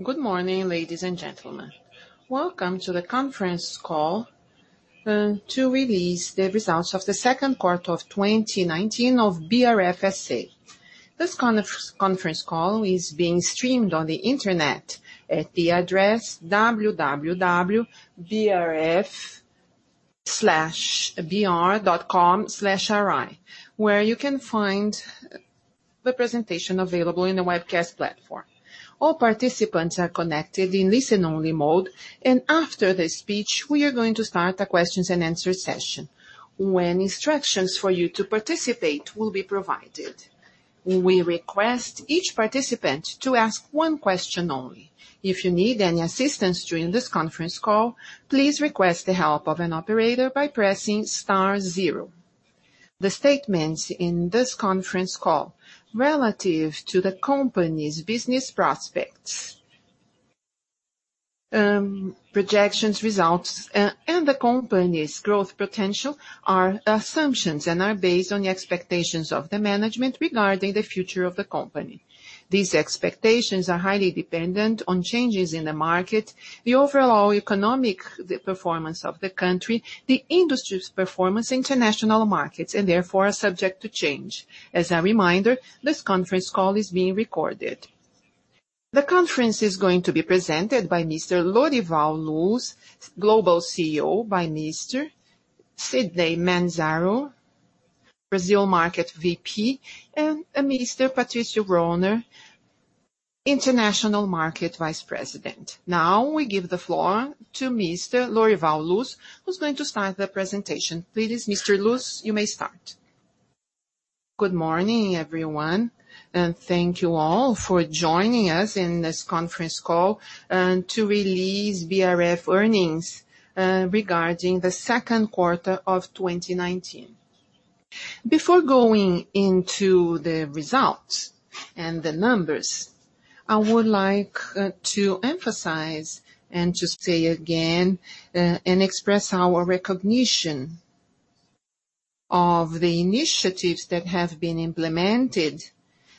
Good morning, ladies and gentlemen. Welcome to the conference call to release the results of the second quarter of 2019 of BRF SA. This conference call is being streamed on the Internet at the address www.brf-br.com/ir, where you can find the presentation available in the webcast platform. All participants are connected in listen-only mode, and after the speech, we are going to start a questions-and-answer session when instructions for you to participate will be provided. We request each participant to ask one question only. If you need any assistance during this conference call, please request the help of an operator by pressing star zero. The statements in this conference call relative to the company's business prospects, projections, results, and the company's growth potential are assumptions and are based on the expectations of the management regarding the future of the company. These expectations are highly dependent on changes in the market, the overall economic performance of the country, the industry's performance, international markets, and therefore are subject to change. As a reminder, this conference call is being recorded. The conference is going to be presented by Mr. Lorival Luz, Global CEO, by Mr. Sidnei Manzaro, Brazil Market VP, and Mr. Patricio Rohner, International Market Vice President. Now we give the floor to Mr. Lorival Luz, who's going to start the presentation. Please, Mr. Luz, you may start. Good morning, everyone, and thank you all for joining us in this conference call to release BRF earnings regarding the second quarter of 2019. Before going into the results and the numbers, I would like to emphasize and to say again and express our recognition of the initiatives that have been implemented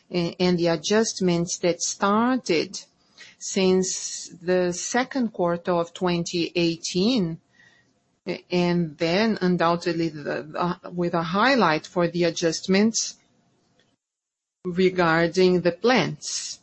and the adjustments that started since the second quarter of 2018, and then undoubtedly with a highlight for the adjustments regarding the plans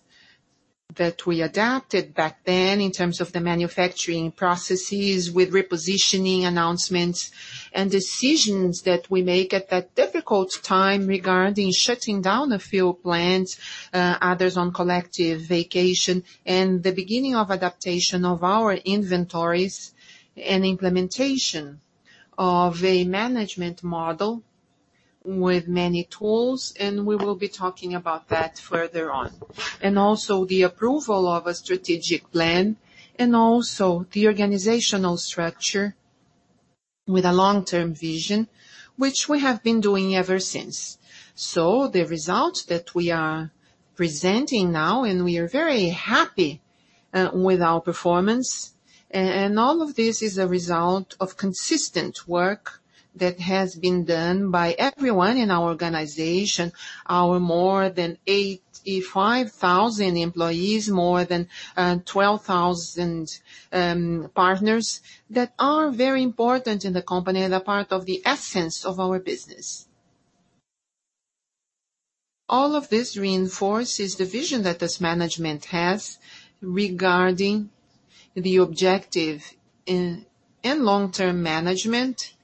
that we adapted back then in terms of the manufacturing processes with repositioning announcements and decisions that we make at that difficult time regarding shutting down a few plants, others on collective vacation, and the beginning of adaptation of our inventories and implementation of a management model with many tools, and we will be talking about that further on. Also the approval of a strategic plan and also the organizational structure with a long-term vision, which we have been doing ever since. The results that we are presenting now, and we are very happy with our performance. All of this is a result of consistent work that has been done by everyone in our organization, our more than 85,000 employees, more than 12,000 partners that are very important in the company and are part of the essence of our business. All of this reinforces the vision that this management has regarding the objective and long-term management,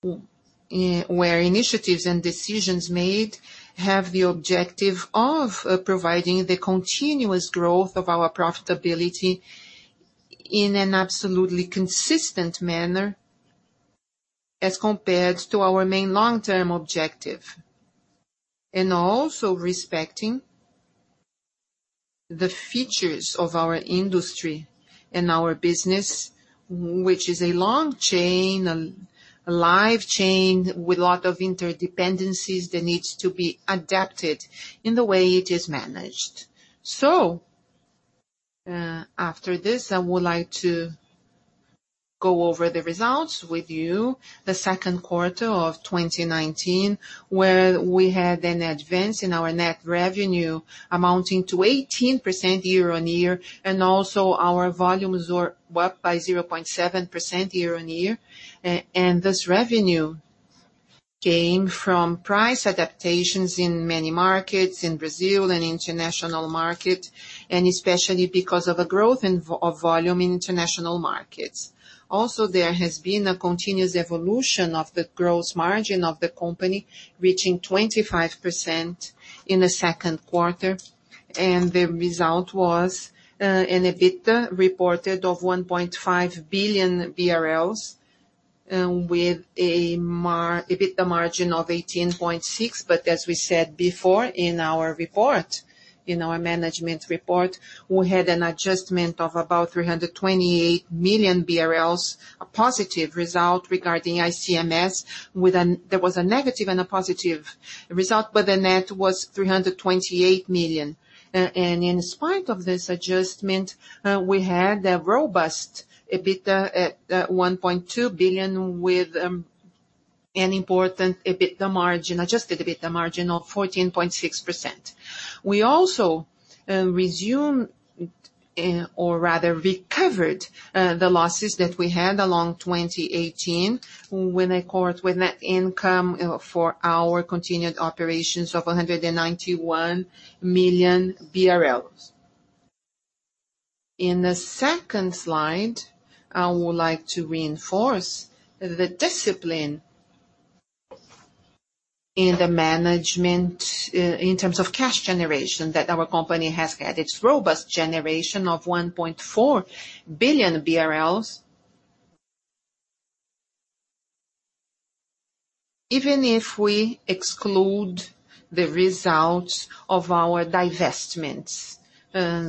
where initiatives and decisions made have the objective of providing the continuous growth of our profitability in an absolutely consistent manner as compared to our main long-term objective. Also respecting the features of our industry and our business, which is a long chain, a live chain with lot of interdependencies that needs to be adapted in the way it is managed. After this, I would like to go over the results with you. The second quarter of 2019, where we had an advance in our net revenue amounting to 18% year-on-year. Our volumes were up by 0.7% year-on-year. This revenue came from price adaptations in many markets in Brazil and international market, and especially because of a growth of volume in international markets. Also, there has been a continuous evolution of the gross margin of the company reaching 25% in the second quarter. The result was an EBITDA reported of 1.5 billion BRL with an EBITDA margin of 18.6%. As we said before in our management report, we had an adjustment of about 328 million BRL, a positive result regarding ICMS. There was a negative and a positive result, but the net was 328 million. In spite of this adjustment, we had a robust EBITDA at 1.2 billion with an important EBITDA margin, adjusted EBITDA margin of 14.6%. We also resumed, or rather recovered the losses that we had along 2018 with a net income for our continued operations of 191 million BRL. In the second slide, I would like to reinforce the discipline in the management in terms of cash generation that our company has had its robust generation of 1.4 billion BRL. Even if we exclude the results of our divestments. In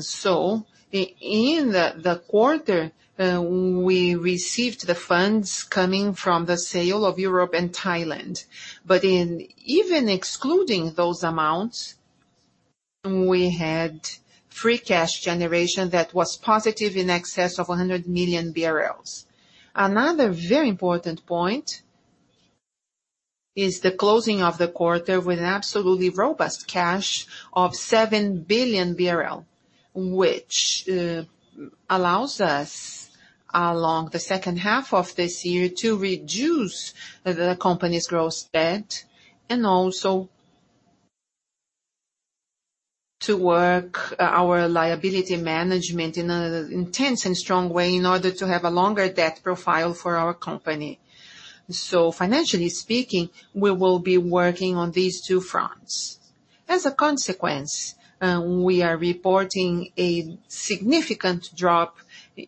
the quarter, we received the funds coming from the sale of Europe and Thailand. Even excluding those amounts, we had free cash generation that was positive in excess of 100 million BRL. Another very important point is the closing of the quarter with an absolutely robust cash of 7 billion BRL, which allows us, along the second half of this year, to reduce the company's gross debt and also to work our liability management in an intense and strong way in order to have a longer debt profile for our company. Financially speaking, we will be working on these two fronts. As a consequence, we are reporting a significant drop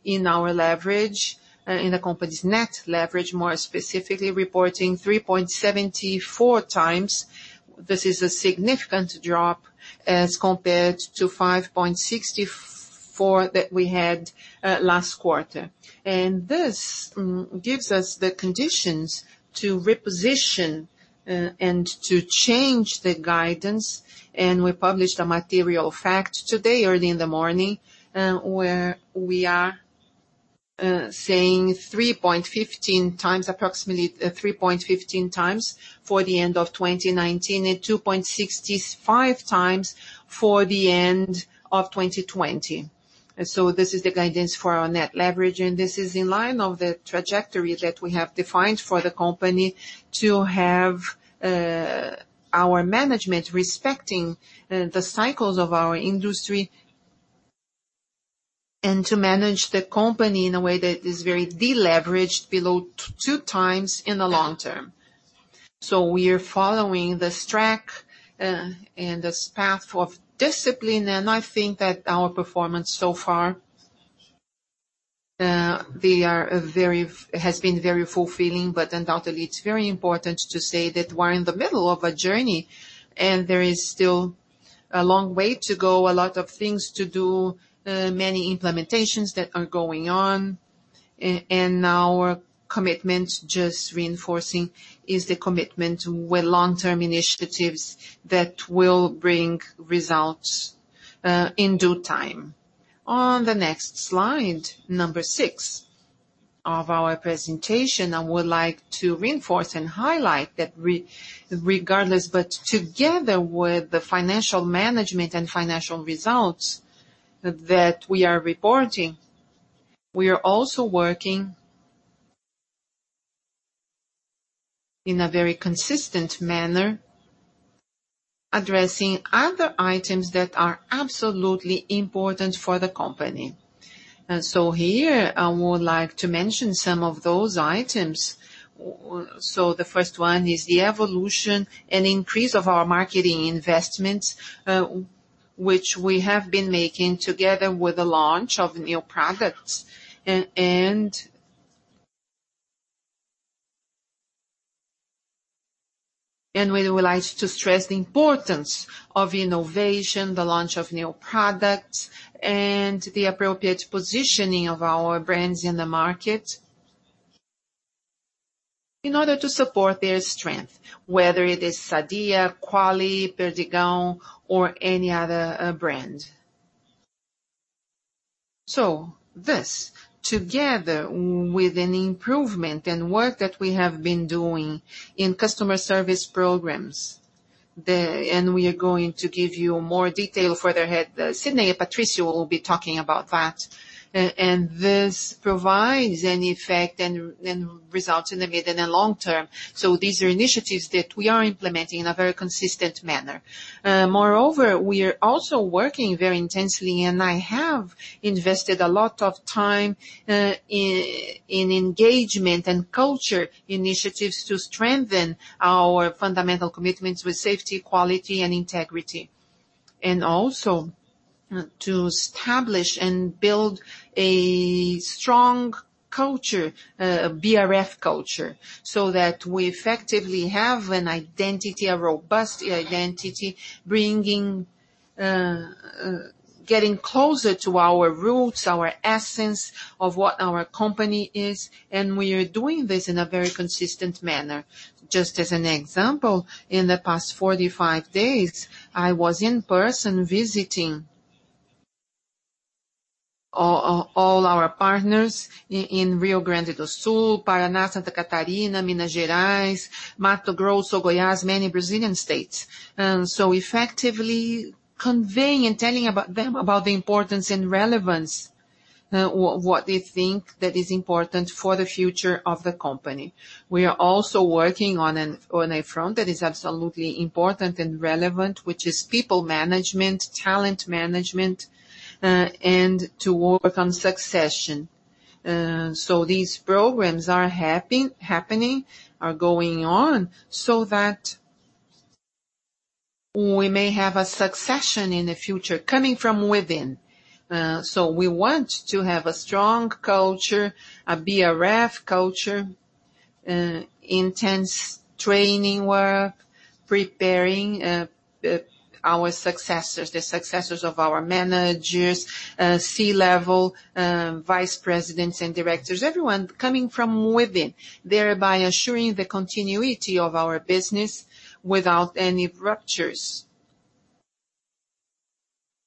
in our leverage, in the company's net leverage, more specifically reporting 3.74x. This is a significant drop as compared to 5.64x that we had last quarter. This gives us the conditions to reposition and to change the guidance. We published a material fact today early in the morning, where we are saying approximately 3.15x for the end of 2019 and 2.65x for the end of 2020. This is the guidance for our net leverage, and this is in line of the trajectory that we have defined for the company to have our management respecting the cycles of our industry and to manage the company in a way that is very deleveraged below 2x in the long term. We are following this track and this path of discipline, and I think that our performance so far has been very fulfilling. Undoubtedly, it's very important to say that we're in the middle of a journey and there is still a long way to go, a lot of things to do, many implementations that are going on. Our commitment, just reinforcing, is the commitment with long-term initiatives that will bring results in due time. On the next slide number six of our presentation, I would like to reinforce and highlight that regardless, but together with the financial management and financial results that we are reporting, we are also working in a very consistent manner addressing other items that are absolutely important for the company. Here I would like to mention some of those items. The first one is the evolution and increase of our marketing investments, which we have been making together with the launch of new products. We would like to stress the importance of innovation, the launch of new products, and the appropriate positioning of our brands in the market in order to support their strength, whether it is Sadia, Qualy, Perdigão, or any other brand. This, together with an improvement and work that we have been doing in customer service programs. We are going to give you more detail further ahead. Sidnei and Patricio will be talking about that. This provides an effect and results in the mid and the long term. So these are initiatives that we are implementing in a very consistent manner. Moreover, we are also working very intensely, and I have invested a lot of time in engagement and culture initiatives to strengthen our fundamental commitments with safety, quality and integrity. Also to establish and build a strong culture, a BRF culture, so that we effectively have an identity, a robust identity, getting closer to our roots, our essence of what our company is, and we are doing this in a very consistent manner. Just as an example, in the past 45 days, I was in person visiting all our partners in Rio Grande do Sul, Paraná, Santa Catarina, Minas Gerais, Mato Grosso, Goiás, many Brazilian states. Effectively conveying and telling them about the importance and relevance, what they think that is important for the future of the company. We are also working on a front that is absolutely important and relevant, which is people management, talent management, and to work on succession. These programs are happening, are going on so that we may have a succession in the future coming from within. We want to have a strong culture, a BRF culture, intense training work, preparing our successors, the successors of our managers, C-level, vice presidents and directors, everyone coming from within, thereby assuring the continuity of our business without any ruptures,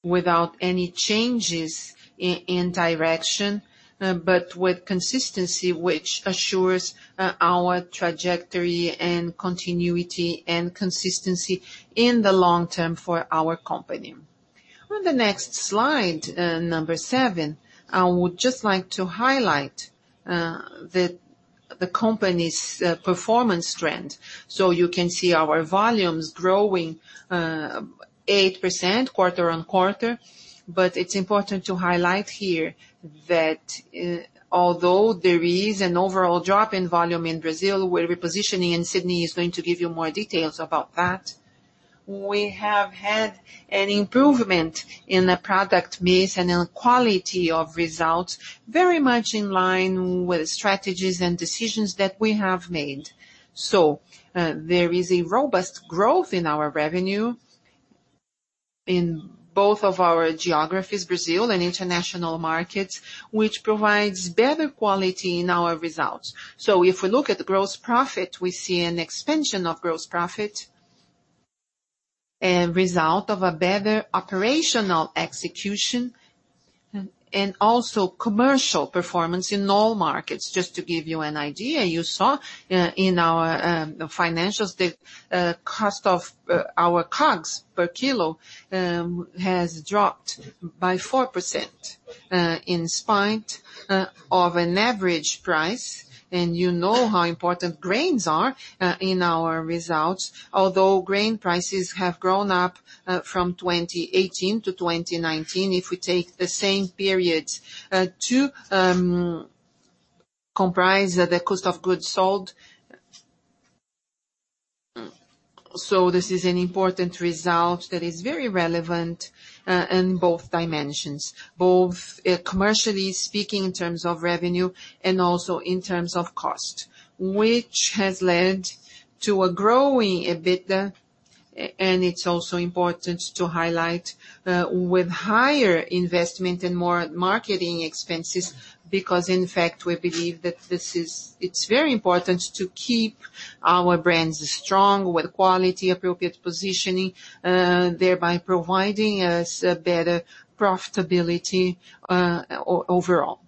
without any changes in direction but with consistency, which assures our trajectory and continuity and consistency in the long term for our company. On the next slide, number seven, I would just like to highlight the company's performance trend. You can see our volumes growing 8% quarter-on-quarter. It's important to highlight here that although there is an overall drop in volume in Brazil, we're repositioning, and Sidnei is going to give you more details about that. We have had an improvement in the product mix and in quality of results, very much in line with strategies and decisions that we have made. There is a robust growth in our revenue in both of our geographies, Brazil and international markets, which provides better quality in our results. If we look at gross profit, we see an expansion of gross profit and result of a better operational execution and also commercial performance in all markets. Just to give you an idea, you saw in our financials the cost of our COGS per kilo has dropped by 4%, in spite of an average price. You know how important grains are in our results. Although grain prices have gone up from 2018 to 2019, if we take the same periods to comprise the cost of goods sold. This is an important result that is very relevant in both dimensions, both commercially speaking in terms of revenue and also in terms of cost, which has led to a growing EBITDA. It's also important to highlight with higher investment and more marketing expenses, because in fact, we believe that it's very important to keep our brands strong with quality, appropriate positioning, thereby providing us a better profitability overall.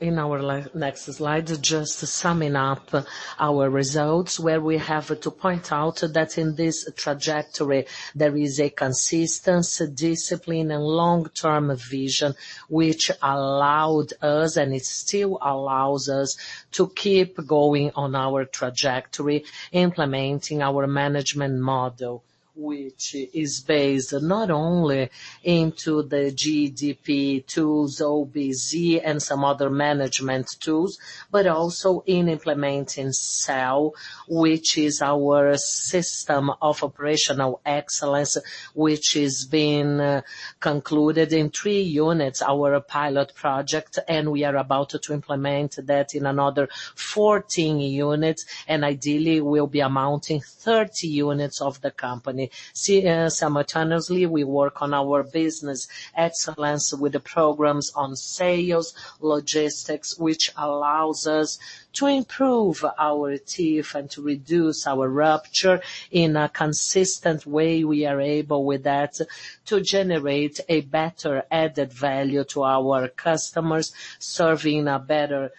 In our next slide, just summing up our results, where we have to point out that in this trajectory, there is a consistency, discipline, and long-term vision which allowed us, and it still allows us to keep going on our trajectory, implementing our management model, which is based not only into the GDP tools, OBZ, and some other management tools, but also in implementing SOE, which is our system of operational excellence, which is being concluded in three units, our pilot project, and we are about to implement that in another 14 units, and ideally will be amounting 30 units of the company. Simultaneously, we work on our business excellence with the programs on sales, logistics, which allows us to improve our OTIF and to reduce our rupture in a consistent way. We are able with that to generate a better added value to our customers, serving a better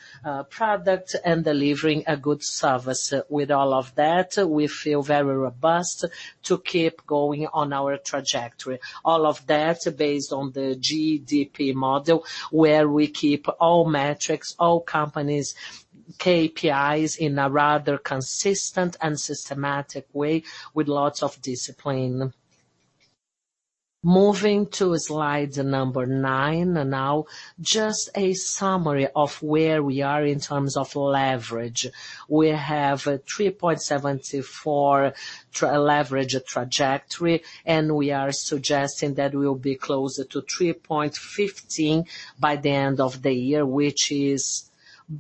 product and delivering a good service. With all of that, we feel very robust to keep going on our trajectory. All of that based on the GDP model, where we keep all metrics, all company's KPIs in a rather consistent and systematic way with lots of discipline. Moving to slide number nine now. Just a summary of where we are in terms of leverage. We have 3.74 leverage trajectory, and we are suggesting that we will be closer to 3.15 by the end of the year, which is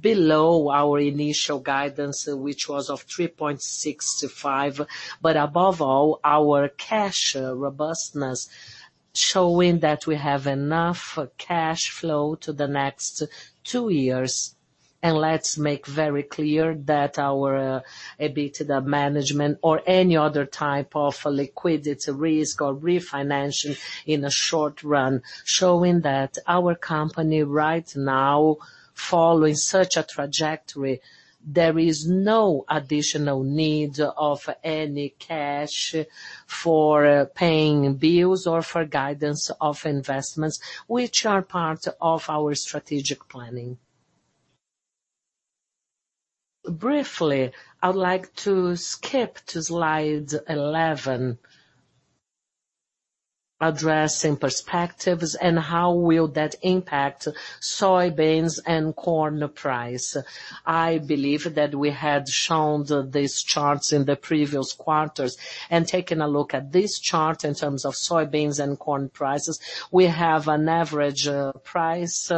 below our initial guidance, which was of 3.65. Above all, our cash robustness showing that we have enough cash flow to the next two years. Let's make very clear that our EBITDA management or any other type of liquidity risk or refinancing in the short run, showing that our company right now, following such a trajectory, there is no additional need of any cash for paying bills or for guidance of investments, which are part of our strategic planning. Briefly, I would like to skip to slide 11, addressing perspectives and how will that impact soybeans and corn price. I believe that we had shown these charts in the previous quarters. Taking a look at this chart in terms of soybeans and corn prices, we have an average price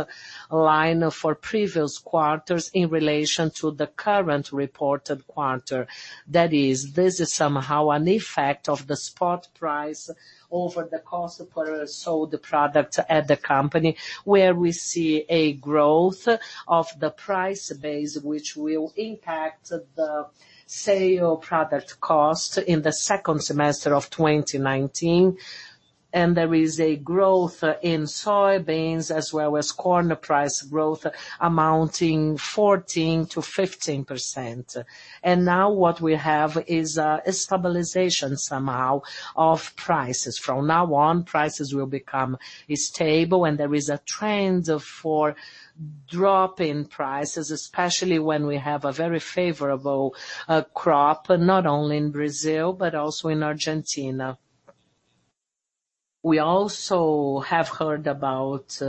line for previous quarters in relation to the current reported quarter. This is somehow an effect of the spot price over the cost per sold product at the company, where we see a growth of the price base, which will impact the sale product cost in the second semester of 2019. There is a growth in soybeans as well as corn price growth amounting 14%-15%. Now what we have is a stabilization somehow of prices. From now on, prices will become stable and there is a trend for drop in prices, especially when we have a very favorable crop, not only in Brazil but also in Argentina. We also have heard about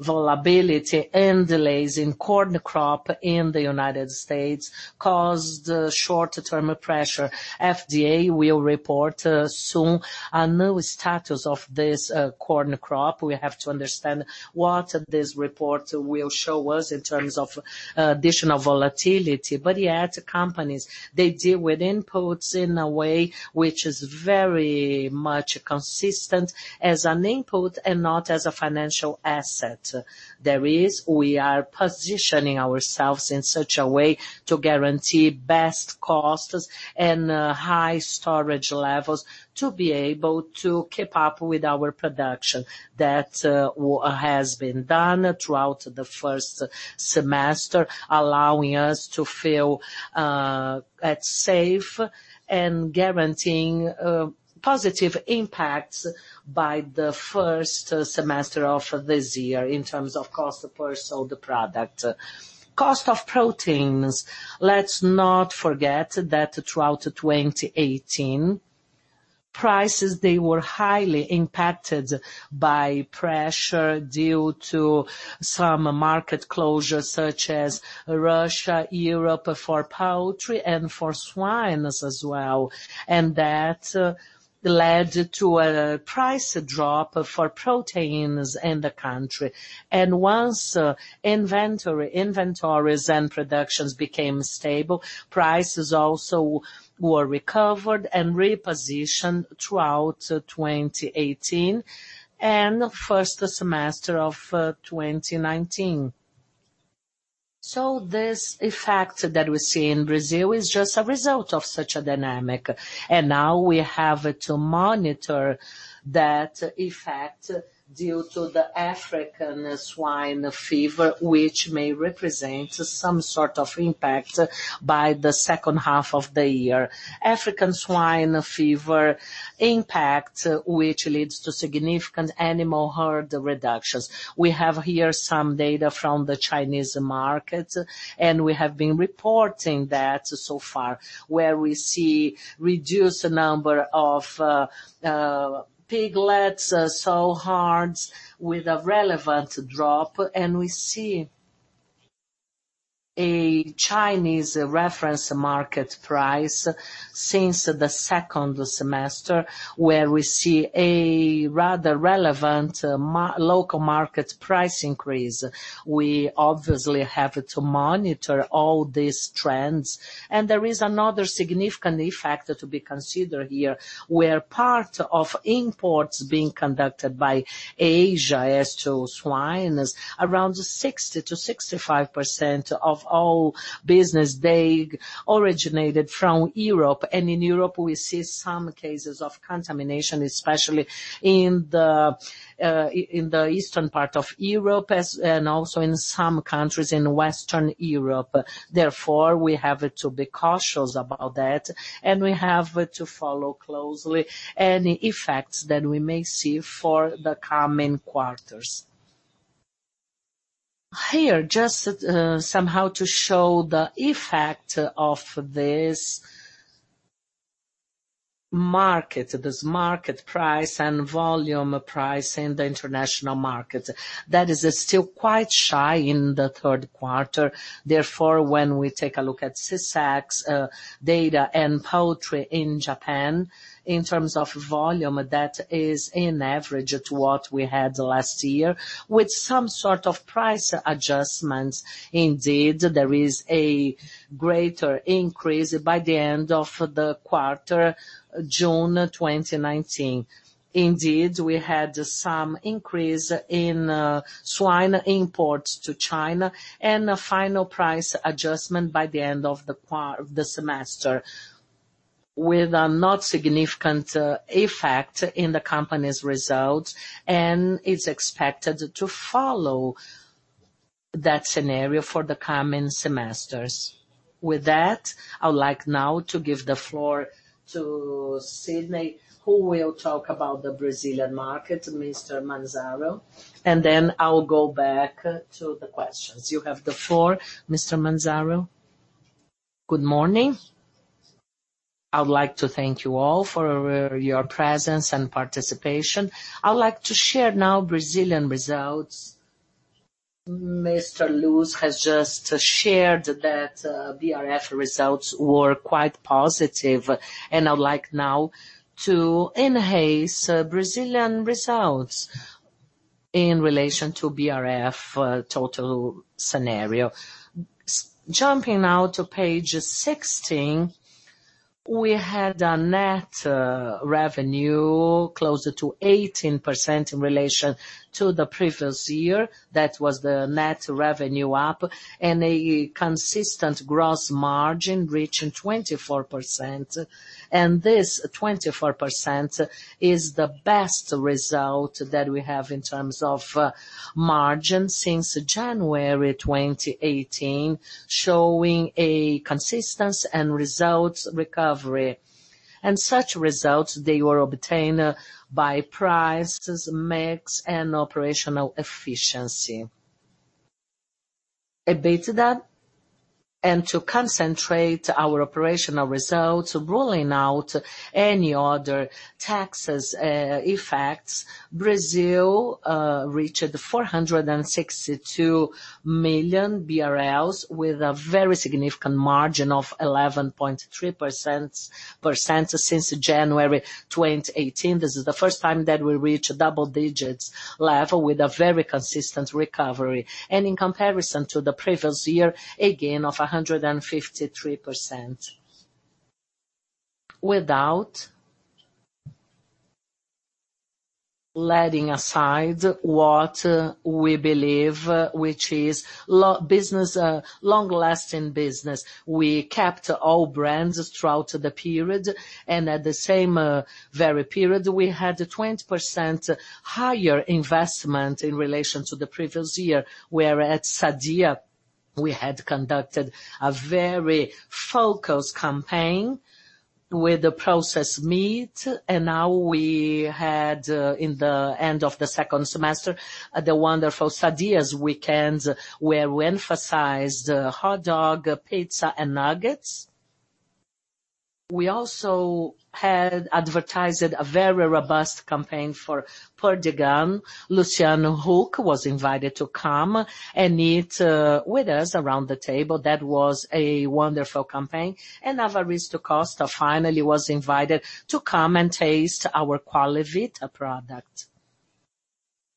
volatility and delays in corn crop in the U.S. caused short-term pressure. USDA will report soon a new status of this corn crop. We have to understand what this report will show us in terms of additional volatility. Yet companies, they deal with inputs in a way which is very much consistent as an input and not as a financial asset. That is, we are positioning ourselves in such a way to guarantee best costs and high storage levels to be able to keep up with our production that has been done throughout the first semester, allowing us to feel safe and guaranteeing positive impacts by the first semester of this year in terms of cost per sold product. Cost of proteins. Let's not forget that throughout 2018, prices, they were highly impacted by pressure due to some market closures such as Russia, Europe for poultry and for swines as well. That led to a price drop for proteins in the country. Once inventories and productions became stable, prices also were recovered and repositioned throughout 2018 and first semester of 2019. This effect that we see in Brazil is just a result of such a dynamic. Now we have to monitor that effect due to the African Swine Fever, which may represent some sort of impact by the second half of the year. African Swine Fever impact, which leads to significant animal herd reductions. We have here some data from the Chinese market, and we have been reporting that so far, where we see reduced number of piglets, sow herds with a relevant drop, and we see a Chinese reference market price since the second semester where we see a rather relevant local market price increase. We obviously have to monitor all these trends. There is another significant effect to be considered here, where part of imports being conducted by Asia as to swines, around 60%-65% of all business, they originated from Europe. In Europe, we see some cases of contamination, especially in the eastern part of Europe and also in some countries in Western Europe. We have to be cautious about that, and we have to follow closely any effects that we may see for the coming quarters. Here, just somehow to show the effect of this market price and volume price in the international market. That is still quite shy in the third quarter. When we take a look at SECEX data and poultry in Japan, in terms of volume, that is in average to what we had last year, with some sort of price adjustments. There is a greater increase by the end of the quarter, June 2019. Indeed, we had some increase in swine imports to China and a final price adjustment by the end of the semester. With a not significant effect in the company's results. It's expected to follow that scenario for the coming semesters. I would like now to give the floor to Sidnei, who will talk about the Brazilian market, Mr. Manzaro. Then I'll go back to the questions. You have the floor, Mr. Manzaro. Good morning. I would like to thank you all for your presence and participation. I would like to share now Brazilian results. Mr. Luz has just shared that BRF results were quite positive. I would like now to enhance Brazilian results in relation to BRF total scenario. Jumping now to page 16. We had a net revenue closer to 18% in relation to the previous year. That was the net revenue up and a consistent gross margin reaching 24%. This 24% is the best result that we have in terms of margin since January 2018, showing a consistency and results recovery. Such results, they were obtained by prices, mix, and operational efficiency. EBITDA, and to concentrate our operational results, ruling out any other taxes effects, Brazil reached 462 million BRL with a very significant margin of 11.3% since January 2018. This is the first time that we reach double digits level with a very consistent recovery. In comparison to the previous year, a gain of 153%. Without letting aside what we believe, which is long-lasting business. We kept all brands throughout the period, and at the same very period, we had a 20% higher investment in relation to the previous year, where at Sadia, we had conducted a very focused campaign with the processed meat, and now we had, in the end of the second semester, the wonderful Sadia's Weekends, where we emphasized hot dog, pizza, and nuggets. We also had advertised a very robust campaign for Perdigão. Luciano Huck was invited to come and eat with us around the table. That was a wonderful campaign. Ivete Sangalo finally was invited to come and taste our Qualivita product.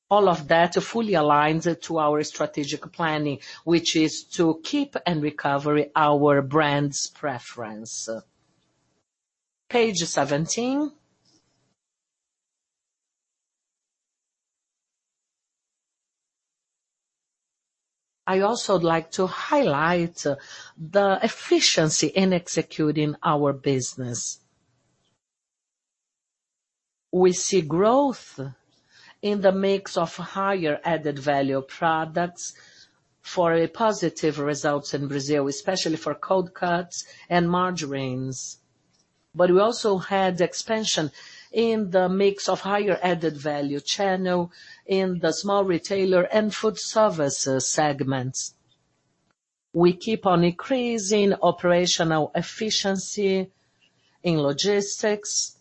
All of that fully aligns to our strategic planning, which is to keep and recover our brand's preference. Page 17. I also like to highlight the efficiency in executing our business. We see growth in the mix of higher added-value products for positive results in Brazil, especially for cold cuts and margarines. We also had expansion in the mix of higher added-value channel in the small retailer and food services segments. We keep on increasing operational efficiency in logistics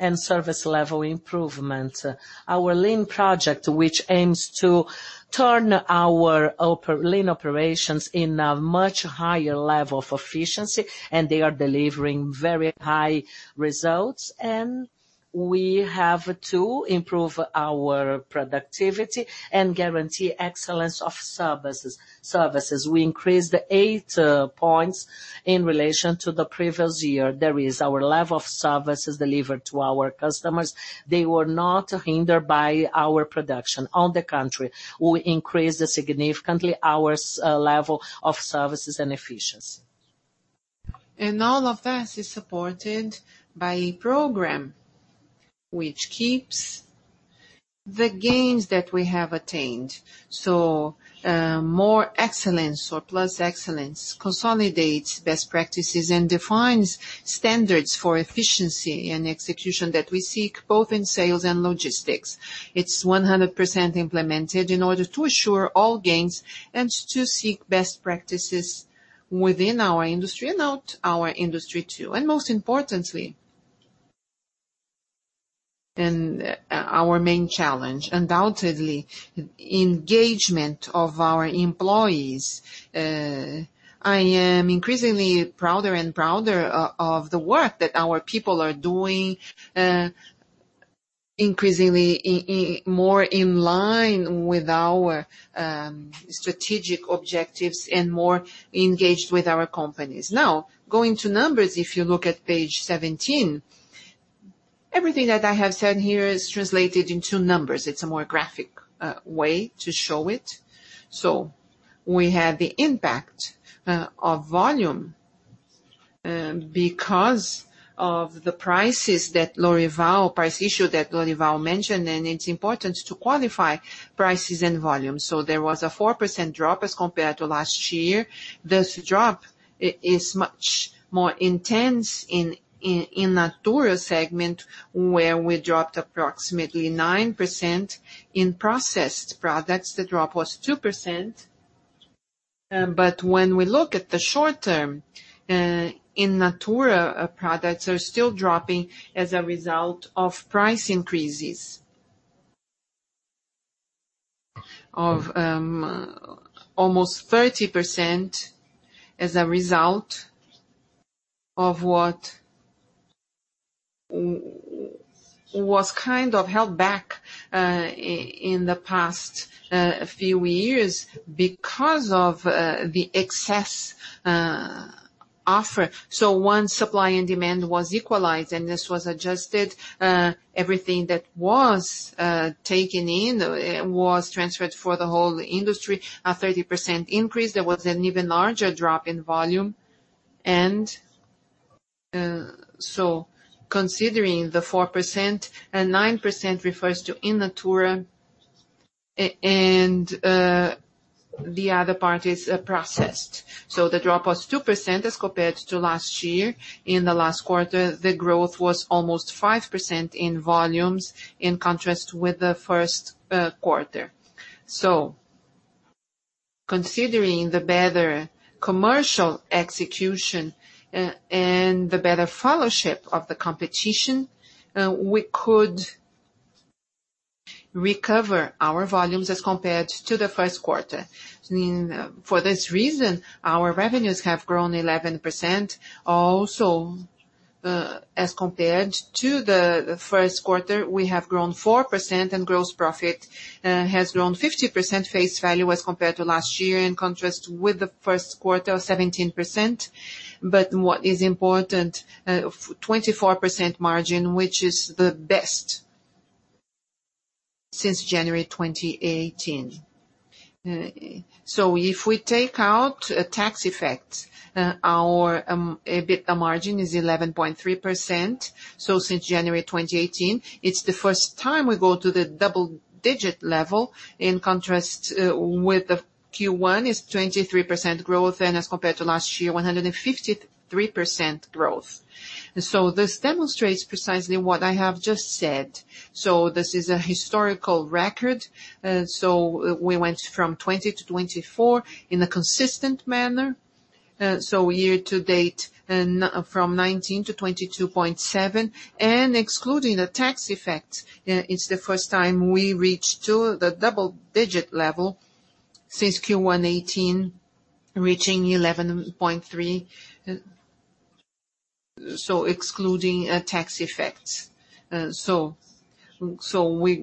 and service-level improvement. Our Lean Project, which aims to turn our Lean operations in a much higher level of efficiency, and they are delivering very high results, and we have to improve our productivity and guarantee excellence of services. We increased eight points in relation to the previous year. There is our level of services delivered to our customers. They were not hindered by our production. On the contrary, we increased significantly our level of services and efficiency. All of that is supported by a program which keeps the gains that we have attained. More excellence or Plus Excellence consolidates best practices and defines standards for efficiency and execution that we seek both in sales and logistics. It's 100% implemented in order to assure all gains and to seek best practices within our industry and out our industry too. Most importantly, and our main challenge, undoubtedly, engagement of our employees. I am increasingly prouder and prouder of the work that our people are doing, increasingly more in line with our strategic objectives and more engaged with our companies. Going to numbers, if you look at page 17. Everything that I have said here is translated into numbers. It's a more graphic way to show it. We have the impact of volume because of the prices that price issue that Lorival mentioned, and it's important to qualify prices and volumes. There was a 4% drop as compared to last year. This drop is much more intense in in natura segment, where we dropped approximately 9%. In processed products, the drop was 2%. When we look at the short term, in natura products are still dropping as a result of price increases of almost 30% as a result of what was kind of held back in the past few years because of the excess offer. Once supply and demand was equalized and this was adjusted, everything that was taken in was transferred for the whole industry. A 30% increase, there was an even larger drop in volume. Considering the 4%, and 9% refers to in natura, and the other part is processed. The drop was 2% as compared to last year. In the last quarter, the growth was almost 5% in volumes, in contrast with the first quarter. Considering the better commercial execution and the better followship of the competition, we could recover our volumes as compared to the first quarter. For this reason, our revenues have grown 11%. As compared to the first quarter, we have grown 4%, and gross profit has grown 50% face value as compared to last year, in contrast with the first quarter, 17%. What is important, 24% margin, which is the best since January 2018. If we take out tax effects, our EBITDA margin is 11.3%. Since January 2018, it's the first time we go to the double digit level. In contrast with the Q1 is 23% growth, and as compared to last year, 153% growth. This demonstrates precisely what I have just said. This is a historical record. We went from 20% to 24% in a consistent manner. Year to date, from 19% to 22.7% and excluding the tax effect, it's the first time we reached to the double digit level since Q1 2018, reaching 11.3%. Excluding tax effects. We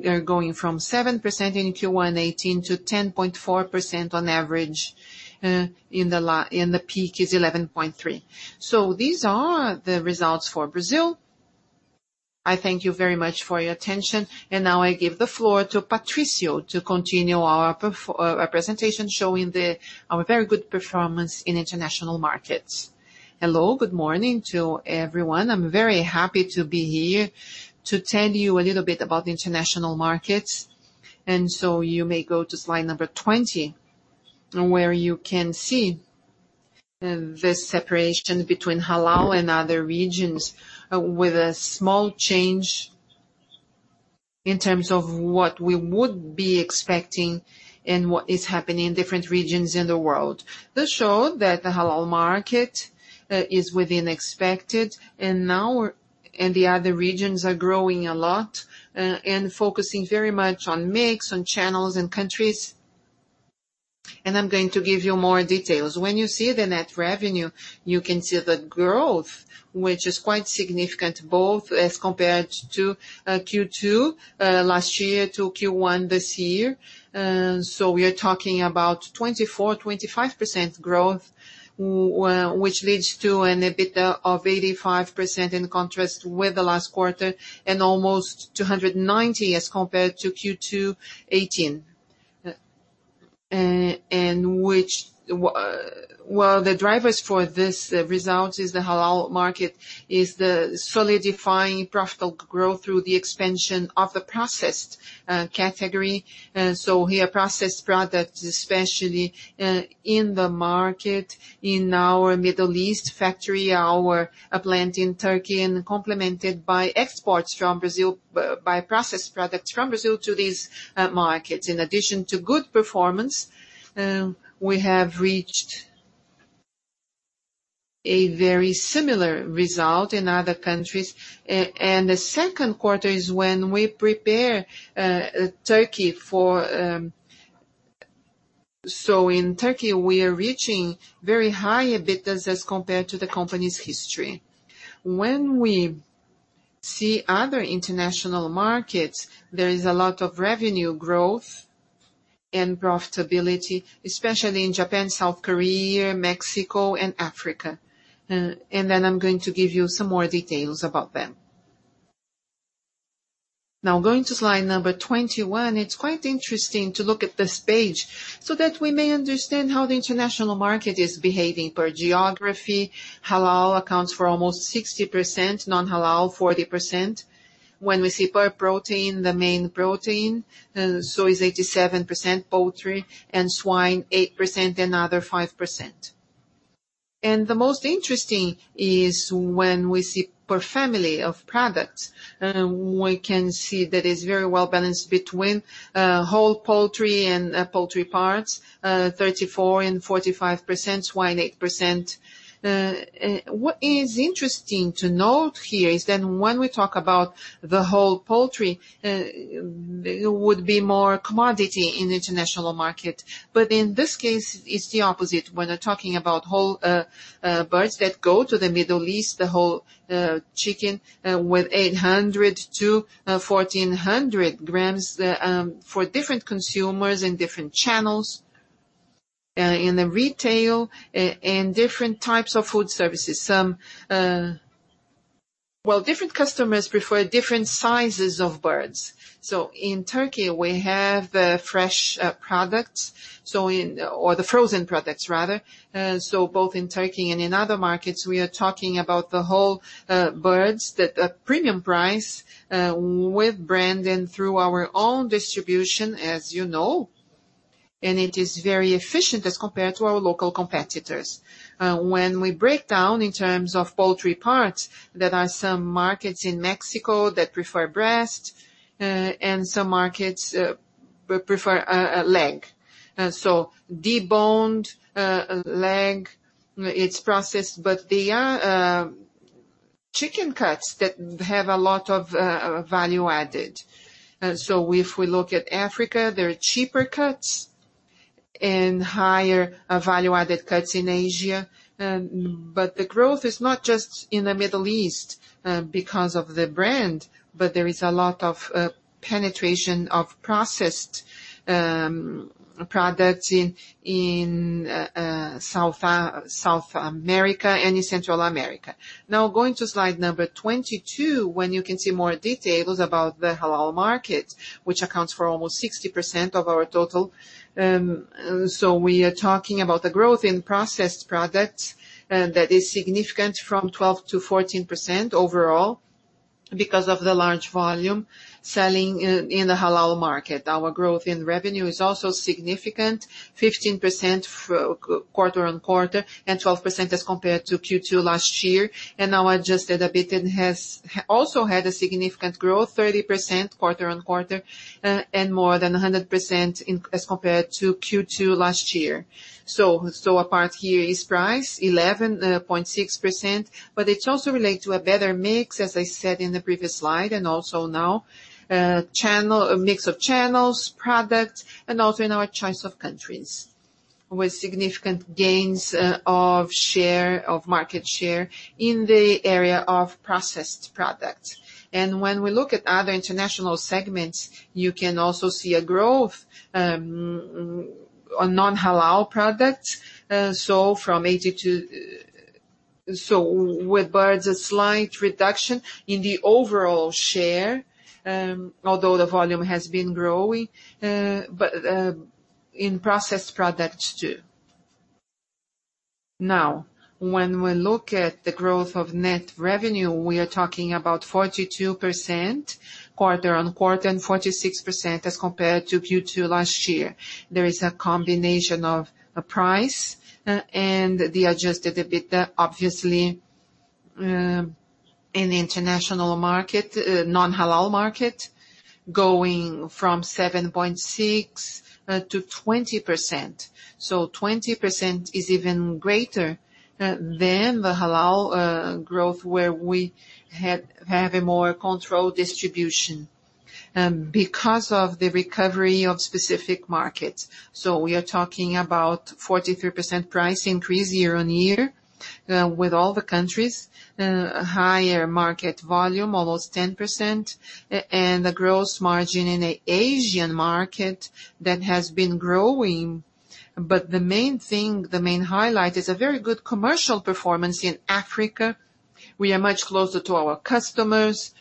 are going from 7% in Q1 2018 to 10.4% on average, and the peak is 11.3%. These are the results for Brazil. I thank you very much for your attention. Now I give the floor to Patricio to continue our presentation showing our very good performance in international markets. Hello, good morning to everyone. I'm very happy to be here to tell you a little bit about the international markets. You may go to slide number 20, where you can see the separation between Halal and other regions with a small change in terms of what we would be expecting and what is happening in different regions in the world. This show that the Halal market is within expected and the other regions are growing a lot and focusing very much on mix, on channels and countries. I'm going to give you more details. When you see the net revenue, you can see the growth, which is quite significant both as compared to Q2 last year to Q1 this year. We are talking about 24%, 25% growth, which leads to an EBITDA of 85% in contrast with the last quarter and almost 290 as compared to Q2 2018. The drivers for this result is the Halal market is the solidifying profitable growth through the expansion of the processed category. Here, processed products, especially in the market in our Middle East factory, our plant in Turkey, and complemented by exports from Brazil, by processed products from Brazil to these markets. In addition to good performance, we have reached a very similar result in other countries. The second quarter is when we prepare Turkey for In Turkey, we are reaching very high EBITDAs as compared to the company's history. When we see other international markets, there is a lot of revenue growth and profitability, especially in Japan, South Korea, Mexico, and Africa. I'm going to give you some more details about them. Going to slide 21, it's quite interesting to look at this page so that we may understand how the international market is behaving per geography. Halal accounts for almost 60%, non-Halal, 40%. When we see per protein, the main protein, soy is 87%, poultry and swine, 8%, and other, 5%. The most interesting is when we see per family of products. We can see that it's very well-balanced between whole poultry and poultry parts, 34% and 45%, swine, 8%. What is interesting to note here is that when we talk about the whole poultry, would be more commodity in the international market. In this case, it's the opposite. When we're talking about whole birds that go to the Middle East, the whole chicken with 800 to 1,400 grams for different consumers and different channels in the retail and different types of food services. In Turkey, we have fresh products, or the frozen products rather. Different customers prefer different sizes of birds. Both in Turkey and in other markets, we are talking about the whole birds that are premium price with brand and through our own distribution, as you know, and it is very efficient as compared to our local competitors. When we break down in terms of poultry parts, there are some markets in Mexico that prefer breast and some markets prefer leg. Deboned leg, it's processed. There are chicken cuts that have a lot of value added. If we look at Africa, there are cheaper cuts and higher value-added cuts in Asia. The growth is not just in the Middle East because of the brand, but there is a lot of penetration of processed products in South America and in Central America. Going to slide number 22, when you can see more details about the Halal market, which accounts for almost 60% of our total. We are talking about the growth in processed products that is significant from 12%-14% overall because of the large volume selling in the Halal market. Our growth in revenue is also significant, 15% quarter-on-quarter and 12% as compared to Q2 last year. Our adjusted EBITDA has also had a significant growth, 30% quarter-on-quarter and more than 100% as compared to Q2 last year. A part here is price, 11.6%, but it's also related to a better mix, as I said in the previous slide, and also now. A mix of channels, products, and also in our choice of countries with significant gains of market share in the area of processed products. When we look at other international segments, you can also see a growth on non-Halal products. With birds, a slight reduction in the overall share, although the volume has been growing, but in processed products too. When we look at the growth of net revenue, we are talking about 42% quarter-on-quarter and 46% as compared to Q2 last year. There is a combination of price and the adjusted EBITDA, obviously, in the international market, non-Halal market, going from 7.6%-20%. 20% is even greater than the Halal growth where we have a more controlled distribution because of the recovery of specific markets. We are talking about 43% price increase year-on-year with all the countries, higher market volume, almost 10%, and the gross margin in the Asian market that has been growing. The main thing, the main highlight is a very good commercial performance in Africa. We are much closer to our customers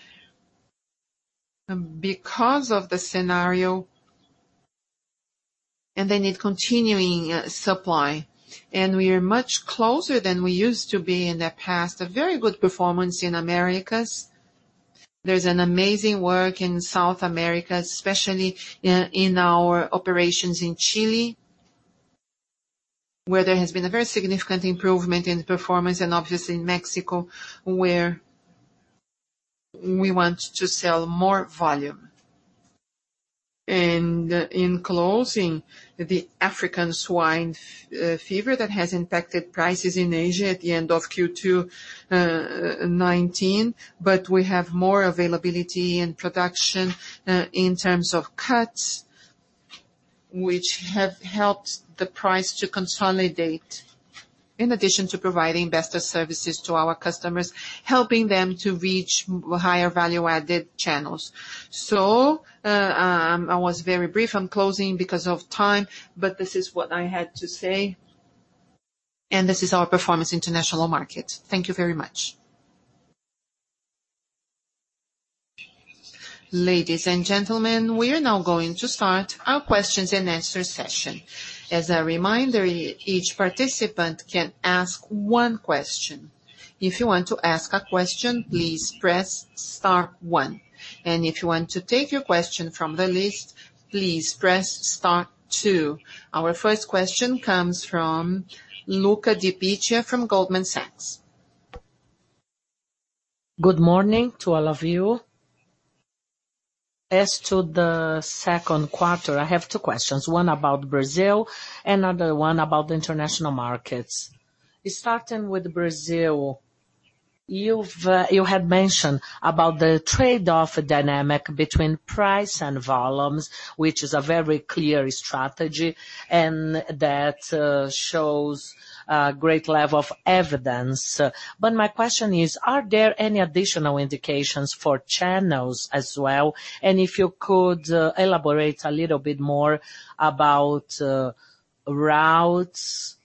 because of the scenario and then it continuing supply. We are much closer than we used to be in the past. A very good performance in Americas. There's an amazing work in South America, especially in our operations in Chile, where there has been a very significant improvement in the performance and obviously in Mexico, where we want to sell more volume. In closing, the African Swine Fever that has impacted prices in Asia at the end of Q2 2019, but we have more availability and production in terms of cuts, which have helped the price to consolidate. In addition to providing better services to our customers, helping them to reach higher value-added channels. I was very brief. I'm closing because of time, but this is what I had to say. This is our performance in international markets. Thank you very much. Ladies and gentlemen, we are now going to start our questions-and-answer session. As a reminder, each participant can ask one question. If you want to ask a question, please press star one, and if you want to take your question from the list, please press star two. Our first question comes from Luca Cipiccia from Goldman Sachs. Good morning to all of you. As to the second quarter, I have two questions, one about Brazil and another one about the international markets. Starting with Brazil, you had mentioned about the trade-off dynamic between price and volumes, which is a very clear strategy and that shows a great level of evidence. My question is, are there any additional indications for channels as well? If you could elaborate a little bit more about routes,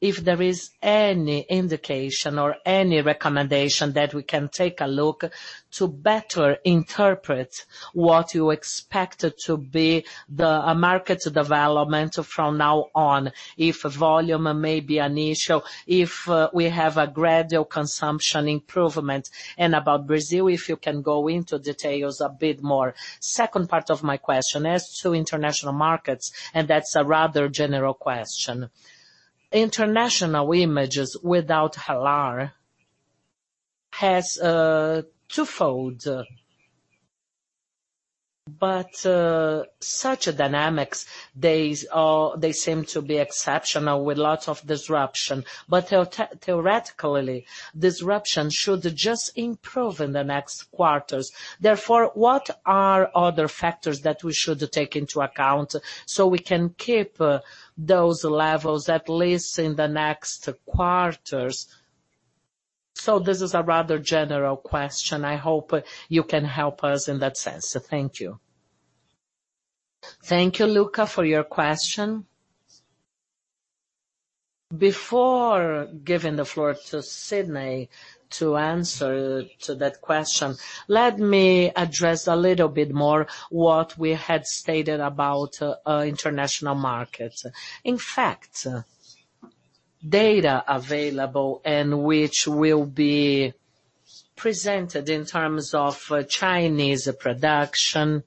if there is any indication or any recommendation that we can take a look to better interpret what you expect to be the market development from now on. If volume may be an issue, if we have a gradual consumption improvement. About Brazil, if you can go into details a bit more. Second part of my question, as to international markets, and that's a rather general question. International images without Halal has a twofold. Such a dynamics, they seem to be exceptional with lots of disruption. Theoretically, disruption should just improve in the next quarters. What are other factors that we should take into account so we can keep those levels, at least in the next quarters? This is a rather general question. I hope you can help us in that sense. Thank you. Thank you, Luca, for your question. Before giving the floor to Sidnei to answer to that question, let me address a little bit more what we had stated about international markets. Data available and which will be presented in terms of Chinese production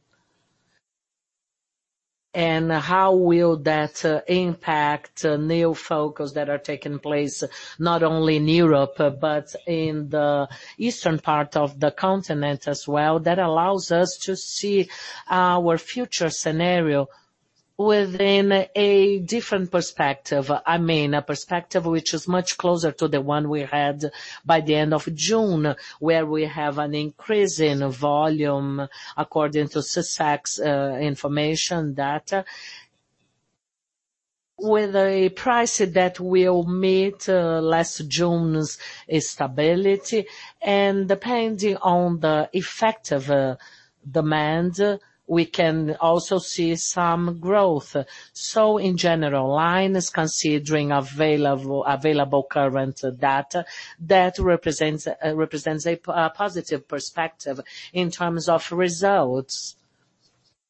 and how will that impact new focus that are taking place not only in Europe but in the eastern part of the continent as well, that allows us to see our future scenario within a different perspective. I mean, a perspective which is much closer to the one we had by the end of June, where we have an increase in volume, according to SECEX's information data. With a price that will meet last June's stability, and depending on the effect of demand, we can also see some growth. In general lines, considering available current data, that represents a positive perspective in terms of results.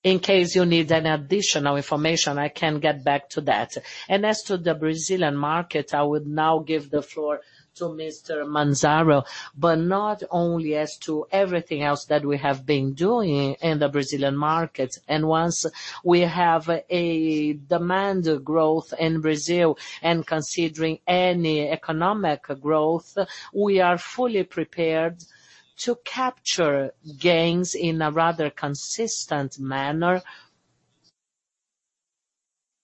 In case you need any additional information, I can get back to that. As to the Brazilian market, I would now give the floor to Mr. Manzaro, but not only as to everything else that we have been doing in the Brazilian market. Once we have a demand growth in Brazil and considering any economic growth, we are fully prepared to capture gains in a rather consistent manner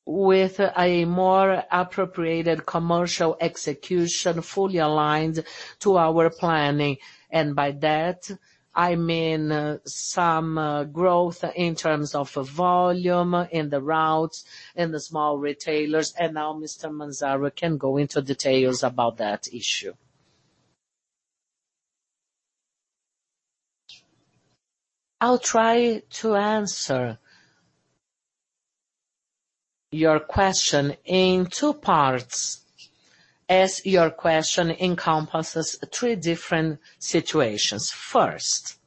with a more appropriated commercial execution fully aligned to our planning. By that, I mean some growth in terms of volume in the routes, in the small retailers. Now Mr. Manzaro can go into details about that issue. I'll try to answer your question in two parts as your question encompasses three different situations. First,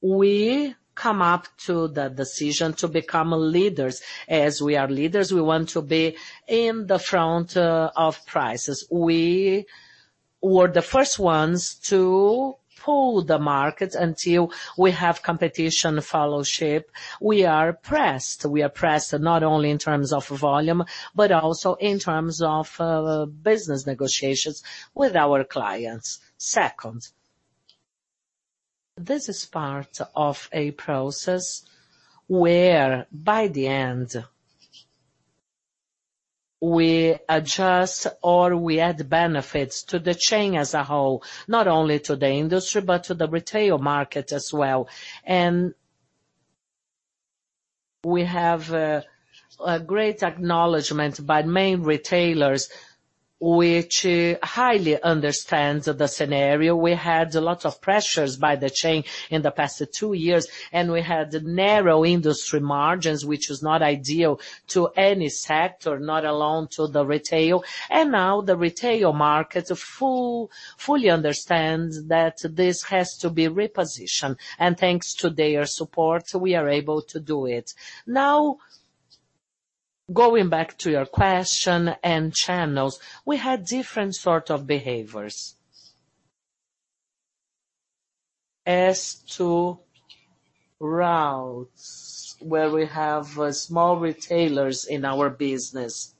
we come up to the decision to become leaders. As we are leaders, we want to be in the front of prices. We were the first ones to pull the market until we have competition follow ship. We are pressed. We are pressed not only in terms of volume, but also in terms of business negotiations with our clients. Second, this is part of a process where, by the end, we adjust or we add benefits to the chain as a whole, not only to the industry, but to the retail market as well. We have a great acknowledgement by main retailers, which highly understands the scenario. We had a lot of pressures by the chain in the past two years, and we had narrow industry margins, which is not ideal to any sector, not alone to the retail. Now the retail market fully understands that this has to be repositioned. Thanks to their support, we are able to do it. Now, going back to your question and channels, we had different sort of behaviors. As to routes where we have small retailers in our business,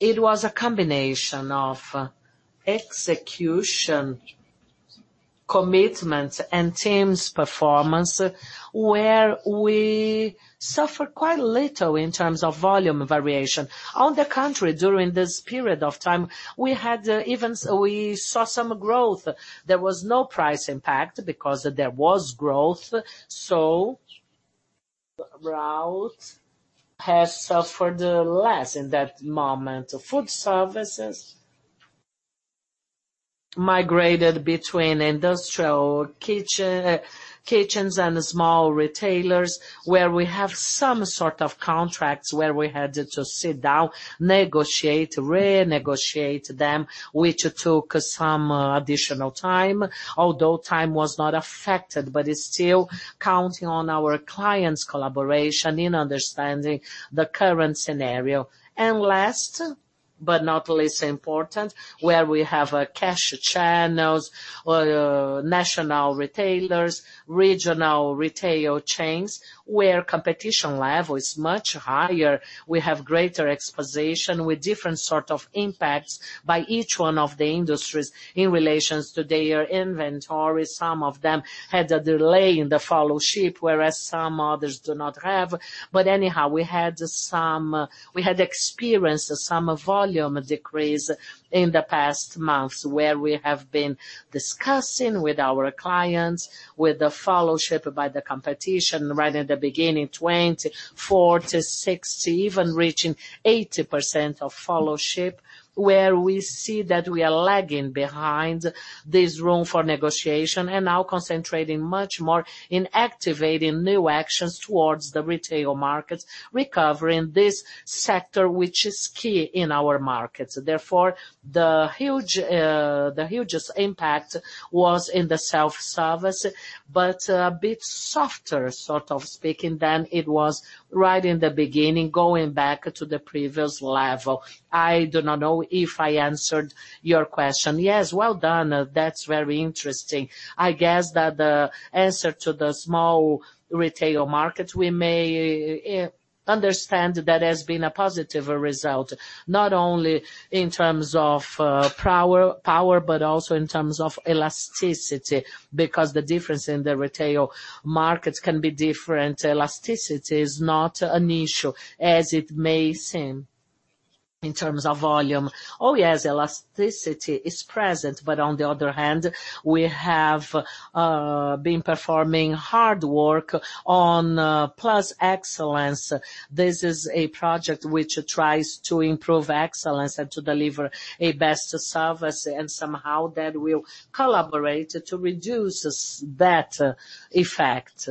it was a combination of execution, commitment, and teams' performance, where we suffered quite little in terms of volume variation. On the contrary, during this period of time, we saw some growth. There was no price impact because there was growth, route has suffered less in that moment. Food services migrated between industrial kitchens and small retailers, where we have some sort of contracts where we had to sit down, negotiate, renegotiate them, which took some additional time. Although time was not affected, it's still counting on our clients' collaboration in understanding the current scenario. Last but not least important, where we have cash channels or national retailers, regional retail chains, where competition level is much higher. We have greater exposition with different sort of impacts by each one of the industries in relations to their inventory. Some of them had a delay in the follow-ship, whereas some others do not have. Anyhow, we had experienced some volume decrease in the past months, where we have been discussing with our clients, with the follow-ship by the competition right in the beginning, 20%, 40%, 60%, even reaching 80% of follow-ship. Where we see that we are lagging behind this room for negotiation and now concentrating much more in activating new actions towards the retail markets, recovering this sector, which is key in our markets. The hugest impact was in the self-service, but a bit softer sort of speaking than it was right in the beginning, going back to the previous level. I do not know if I answered your question. Yes, well done. That's very interesting. I guess that the answer to the small retail markets, we may understand that has been a positive result, not only in terms of power, but also in terms of elasticity, because the difference in the retail markets can be different. Elasticity is not an issue as it may seem in terms of volume. Elasticity is present, but on the other hand, we have been performing hard work on Plus Excellence. This is a project which tries to improve excellence and to deliver a better service, and somehow that will collaborate to reduce that effect.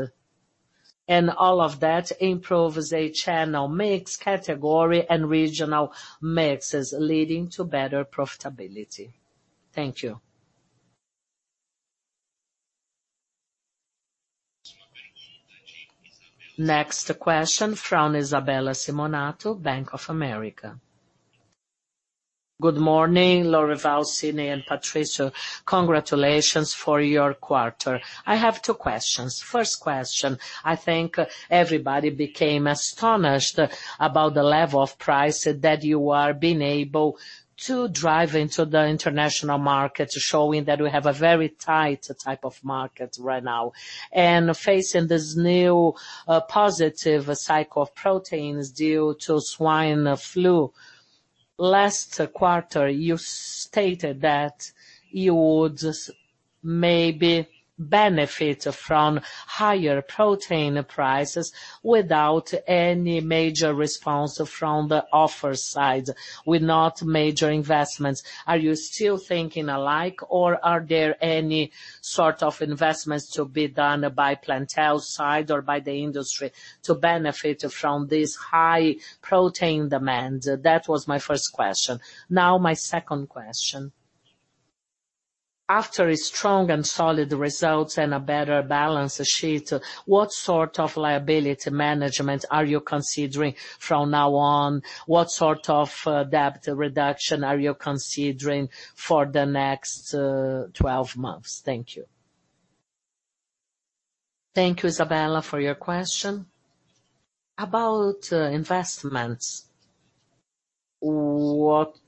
All of that improves a channel mix, category, and regional mixes, leading to better profitability. Thank you. Next question from Isabella Simonato, Bank of America. Good morning, Lorival, Sidnei, and Patricio. Congratulations for your quarter. I have two questions. First question, I think everybody became astonished about the level of price that you are being able to drive into the international market, showing that we have a very tight type of market right now. Facing this new positive cycle of proteins due to African swine fever. Last quarter, you stated that you would maybe benefit from higher protein prices without any major response from the offer side, with not major investments. Are you still thinking alike, or are there any sort of investments to be done by Plantel side or by the industry to benefit from this high protein demand? That was my first question. Now my second question. After a strong and solid results and a better balance sheet, what sort of liability management are you considering from now on? What sort of debt reduction are you considering for the next 12 months? Thank you. Thank you, Isabella, for your question. About investments.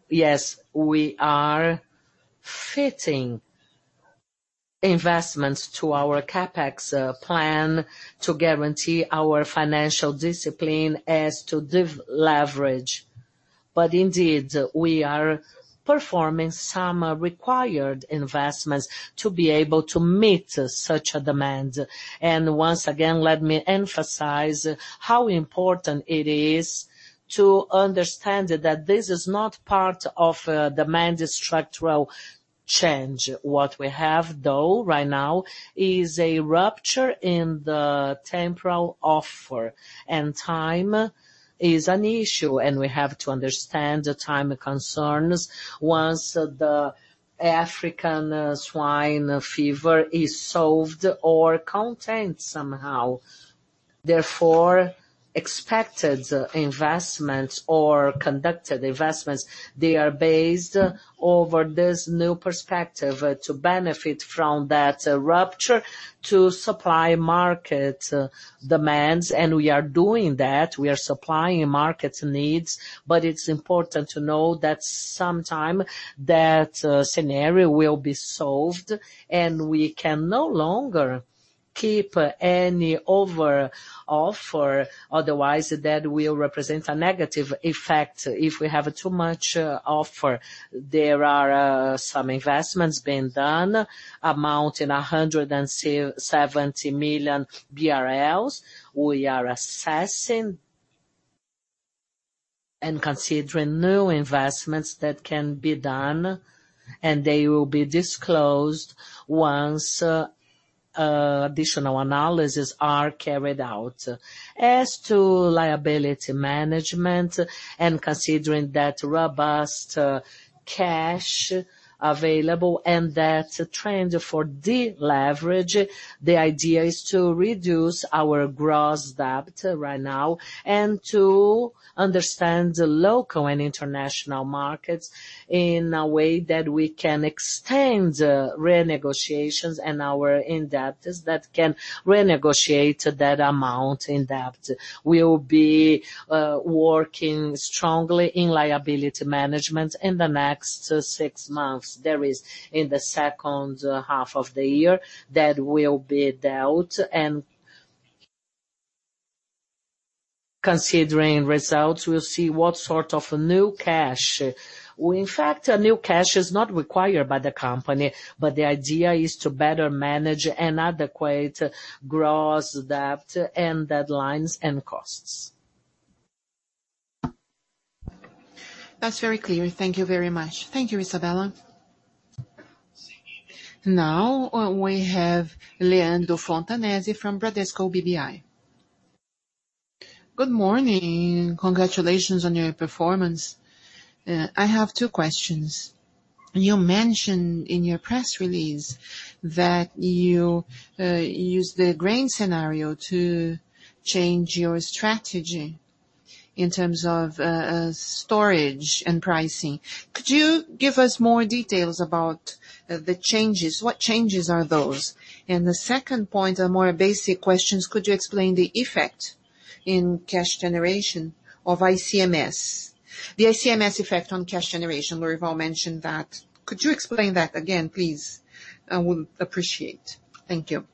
Yes, we are fitting investments to our CapEx plan to guarantee our financial discipline as to deleveraging. Indeed, we are performing some required investments to be able to meet such a demand. Once again, let me emphasize how important it is to understand that this is not part of a demand structural change. What we have though right now is a rupture in the temporal offer, and time is an issue, and we have to understand the time concerns once the African Swine Fever is solved or contained somehow. Expected investments or conducted investments, they are based over this new perspective to benefit from that rupture to supply market demands. We are doing that. We are supplying market needs. It's important to know that sometime that scenario will be solved, and we can no longer keep any over offer, otherwise that will represent a negative effect if we have too much offer. There are some investments being done amounting 170 million BRL. We are assessing and considering new investments that can be done, and they will be disclosed once additional analyses are carried out. As to liability management and considering that robust cash available and that trend for deleverage, the idea is to reduce our gross debt right now and to understand the local and international markets in a way that we can extend renegotiations and our indebtedness that can renegotiate that amount in debt. We will be working strongly in liability management in the next six months. There is, in the second half of the year, that will be dealt and considering results, we'll see what sort of new cash. In fact, new cash is not required by the company, but the idea is to better manage and adequate gross debt and deadlines and costs. That's very clear. Thank you very much. Thank you, Isabella. Now we have Leandro Fontanesi from Bradesco BBI. Good morning. Congratulations on your performance. I have two questions. You mentioned in your press release that you used the grain scenario to change your strategy in terms of storage and pricing. Could you give us more details about the changes? What changes are those? The second point are more basic questions. Could you explain the effect in cash generation of ICMS? The ICMS effect on cash generation. Lorival mentioned that. Could you explain that again, please? I would appreciate it. Thank you.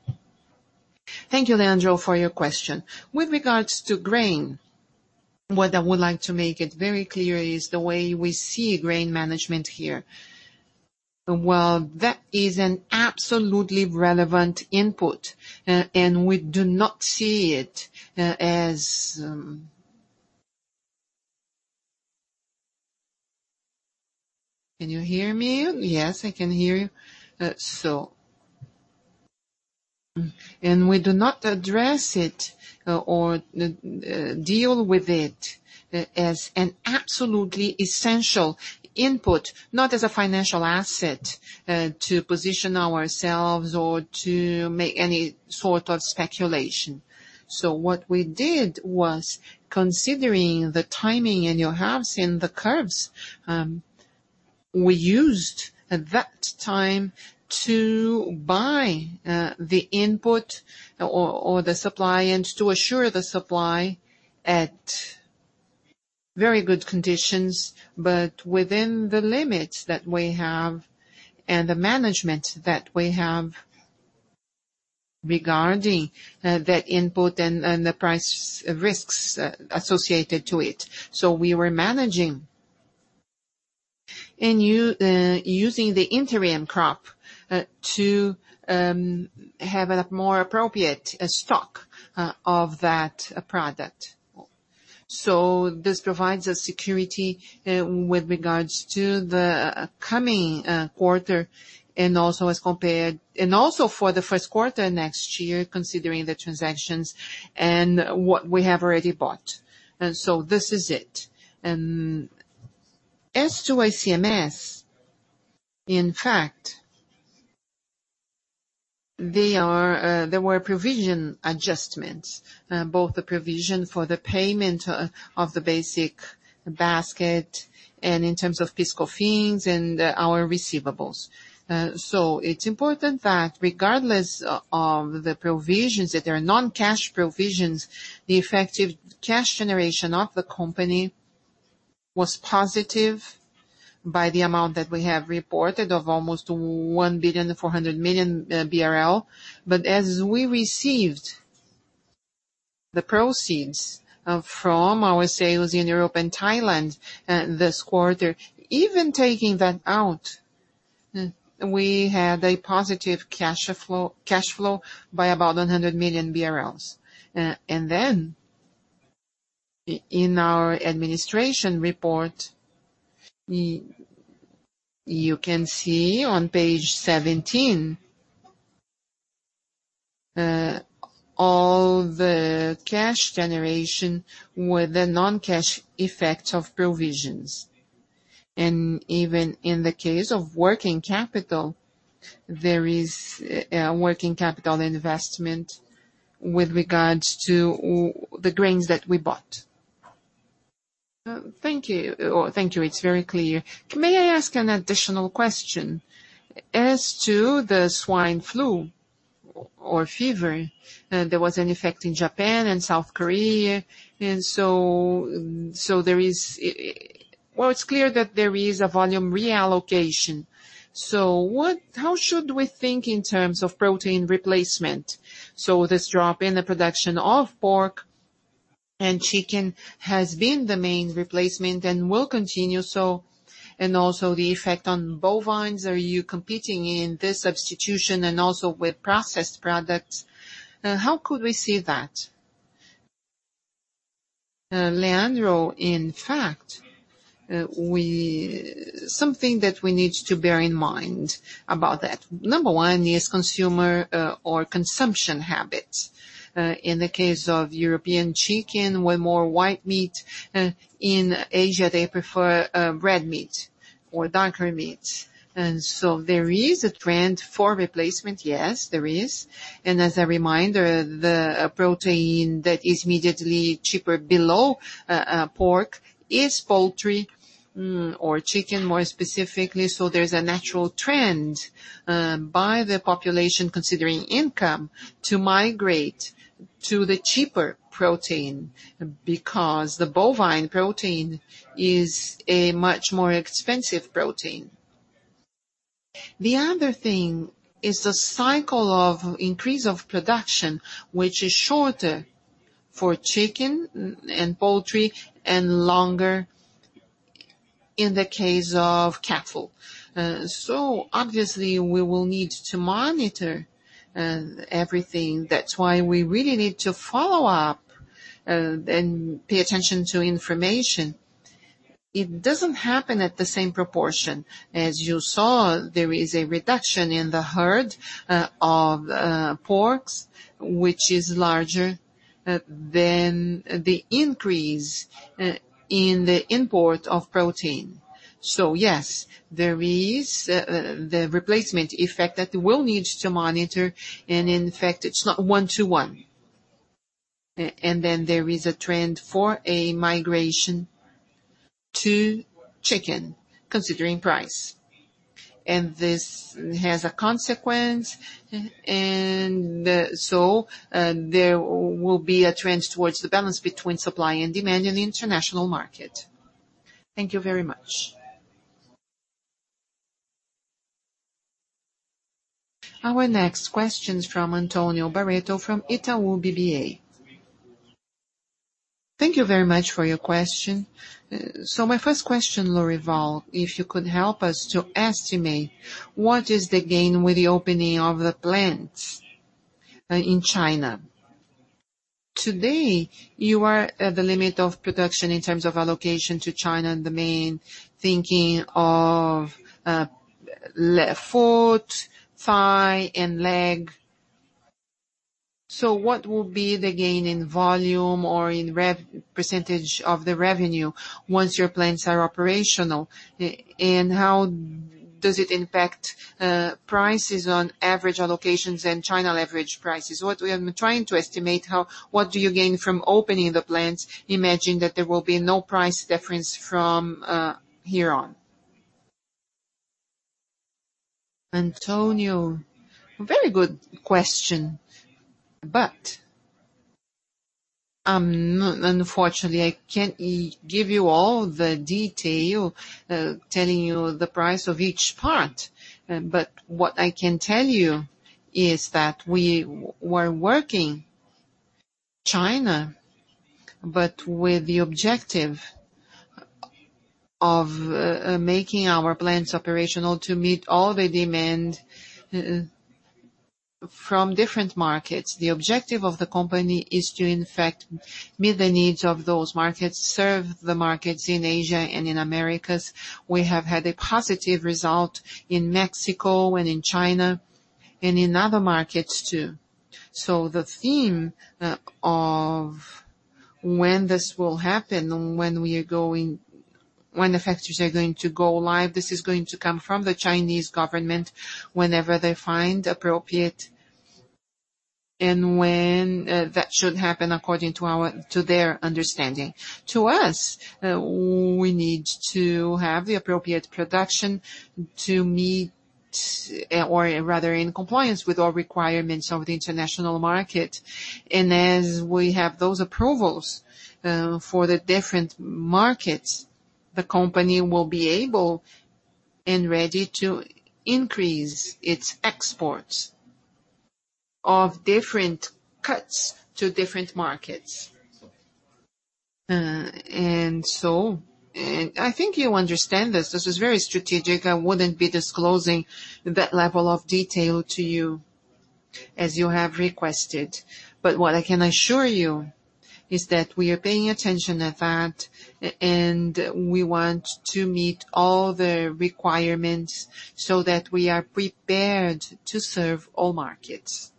Thank you, Leandro, for your question. With regards to grain, what I would like to make it very clear is the way we see grain management here. While that is an absolutely relevant input, and we do not see it as. Can you hear me? Yes, I can hear you. We do not address it or deal with it as an absolutely essential input, not as a financial asset to position ourselves or to make any sort of speculation. What we did was, considering the timing, and you have seen the curves, we used that time to buy the input or the supply and to assure the supply at very good conditions, but within the limits that we have and the management that we have regarding that input and the price risks associated to it. We were managing and using the interim crop to have a more appropriate stock of that product. This provides a security with regards to the coming quarter and also for the first quarter next year, considering the transactions and what we have already bought. This is it. As to ICMS, in fact, there were provision adjustments, both the provision for the payment of the basic basket and in terms of fiscal fees and our receivables. It's important that regardless of the provisions, that they are non-cash provisions, the effective cash generation of the company was positive by the amount that we have reported of almost 1 billion 400 million. As we received the proceeds from our sales in Europe and Thailand this quarter, even taking that out, we had a positive cash flow by about 100 million BRL. In our administration report, you can see on page 17 all the cash generation with the non-cash effect of provisions. Even in the case of working capital, there is a working capital investment with regards to the grains that we bought. Thank you. It's very clear. May I ask an additional question? As to the swine flu or fever, there was an effect in Japan and South Korea. It's clear that there is a volume reallocation. How should we think in terms of protein replacement? This drop in the production of pork and chicken has been the main replacement and will continue so, and also the effect on bovines. Are you competing in this substitution and also with processed products? How could we see that? Leandro, in fact, something that we need to bear in mind about that. Number one is consumer or consumption habits. In the case of European chicken, with more white meat. In Asia, they prefer red meat or darker meat. There is a trend for replacement, yes, there is. As a reminder, the protein that is immediately cheaper below pork is poultry or chicken, more specifically. There's a natural trend by the population considering income to migrate to the cheaper protein because the bovine protein is a much more expensive protein. The other thing is the cycle of increase of production, which is shorter for chicken and poultry and longer in the case of cattle. Obviously we will need to monitor everything. That's why we really need to follow up and pay attention to information. It doesn't happen at the same proportion. As you saw, there is a reduction in the herd of porks, which is larger than the increase in the import of protein. Yes, there is the replacement effect that we'll need to monitor, and in fact, it's not one-to-one. There is a trend for a migration to chicken considering price. This has a consequence, and so there will be a trend towards the balance between supply and demand in the international market. Thank you very much. Our next question is from Antônio Barreto from Itaú BBA. Thank you very much for your question. My first question, Lorival, if you could help us to estimate what is the gain with the opening of the plants in China. Today, you are at the limit of production in terms of allocation to China and the main thinking of foot, thigh, and leg. What will be the gain in volume or in percentage of the revenue once your plants are operational? How does it impact prices on average allocations and China average prices? What we have been trying to estimate, what do you gain from opening the plants, imagining that there will be no price difference from here on. Antônio, very good question, but unfortunately, I can't give you all the detail telling you the price of each part. What I can tell you is that we were working China, but with the objective of making our plants operational to meet all the demand from different markets. The objective of the company is to in fact meet the needs of those markets, serve the markets in Asia and in Americas. We have had a positive result in Mexico and in China and in other markets too. The theme of when this will happen, when the factories are going to go live, this is going to come from the Chinese government whenever they find appropriate and when that should happen according to their understanding. To us, we need to have the appropriate production to meet or rather in compliance with all requirements of the international market. As we have those approvals for the different markets, the company will be able and ready to increase its exports of different cuts to different markets. I think you understand this is very strategic. I wouldn't be disclosing that level of detail to you as you have requested. What I can assure you is that we are paying attention to that, and we want to meet all the requirements so that we are prepared to serve all markets.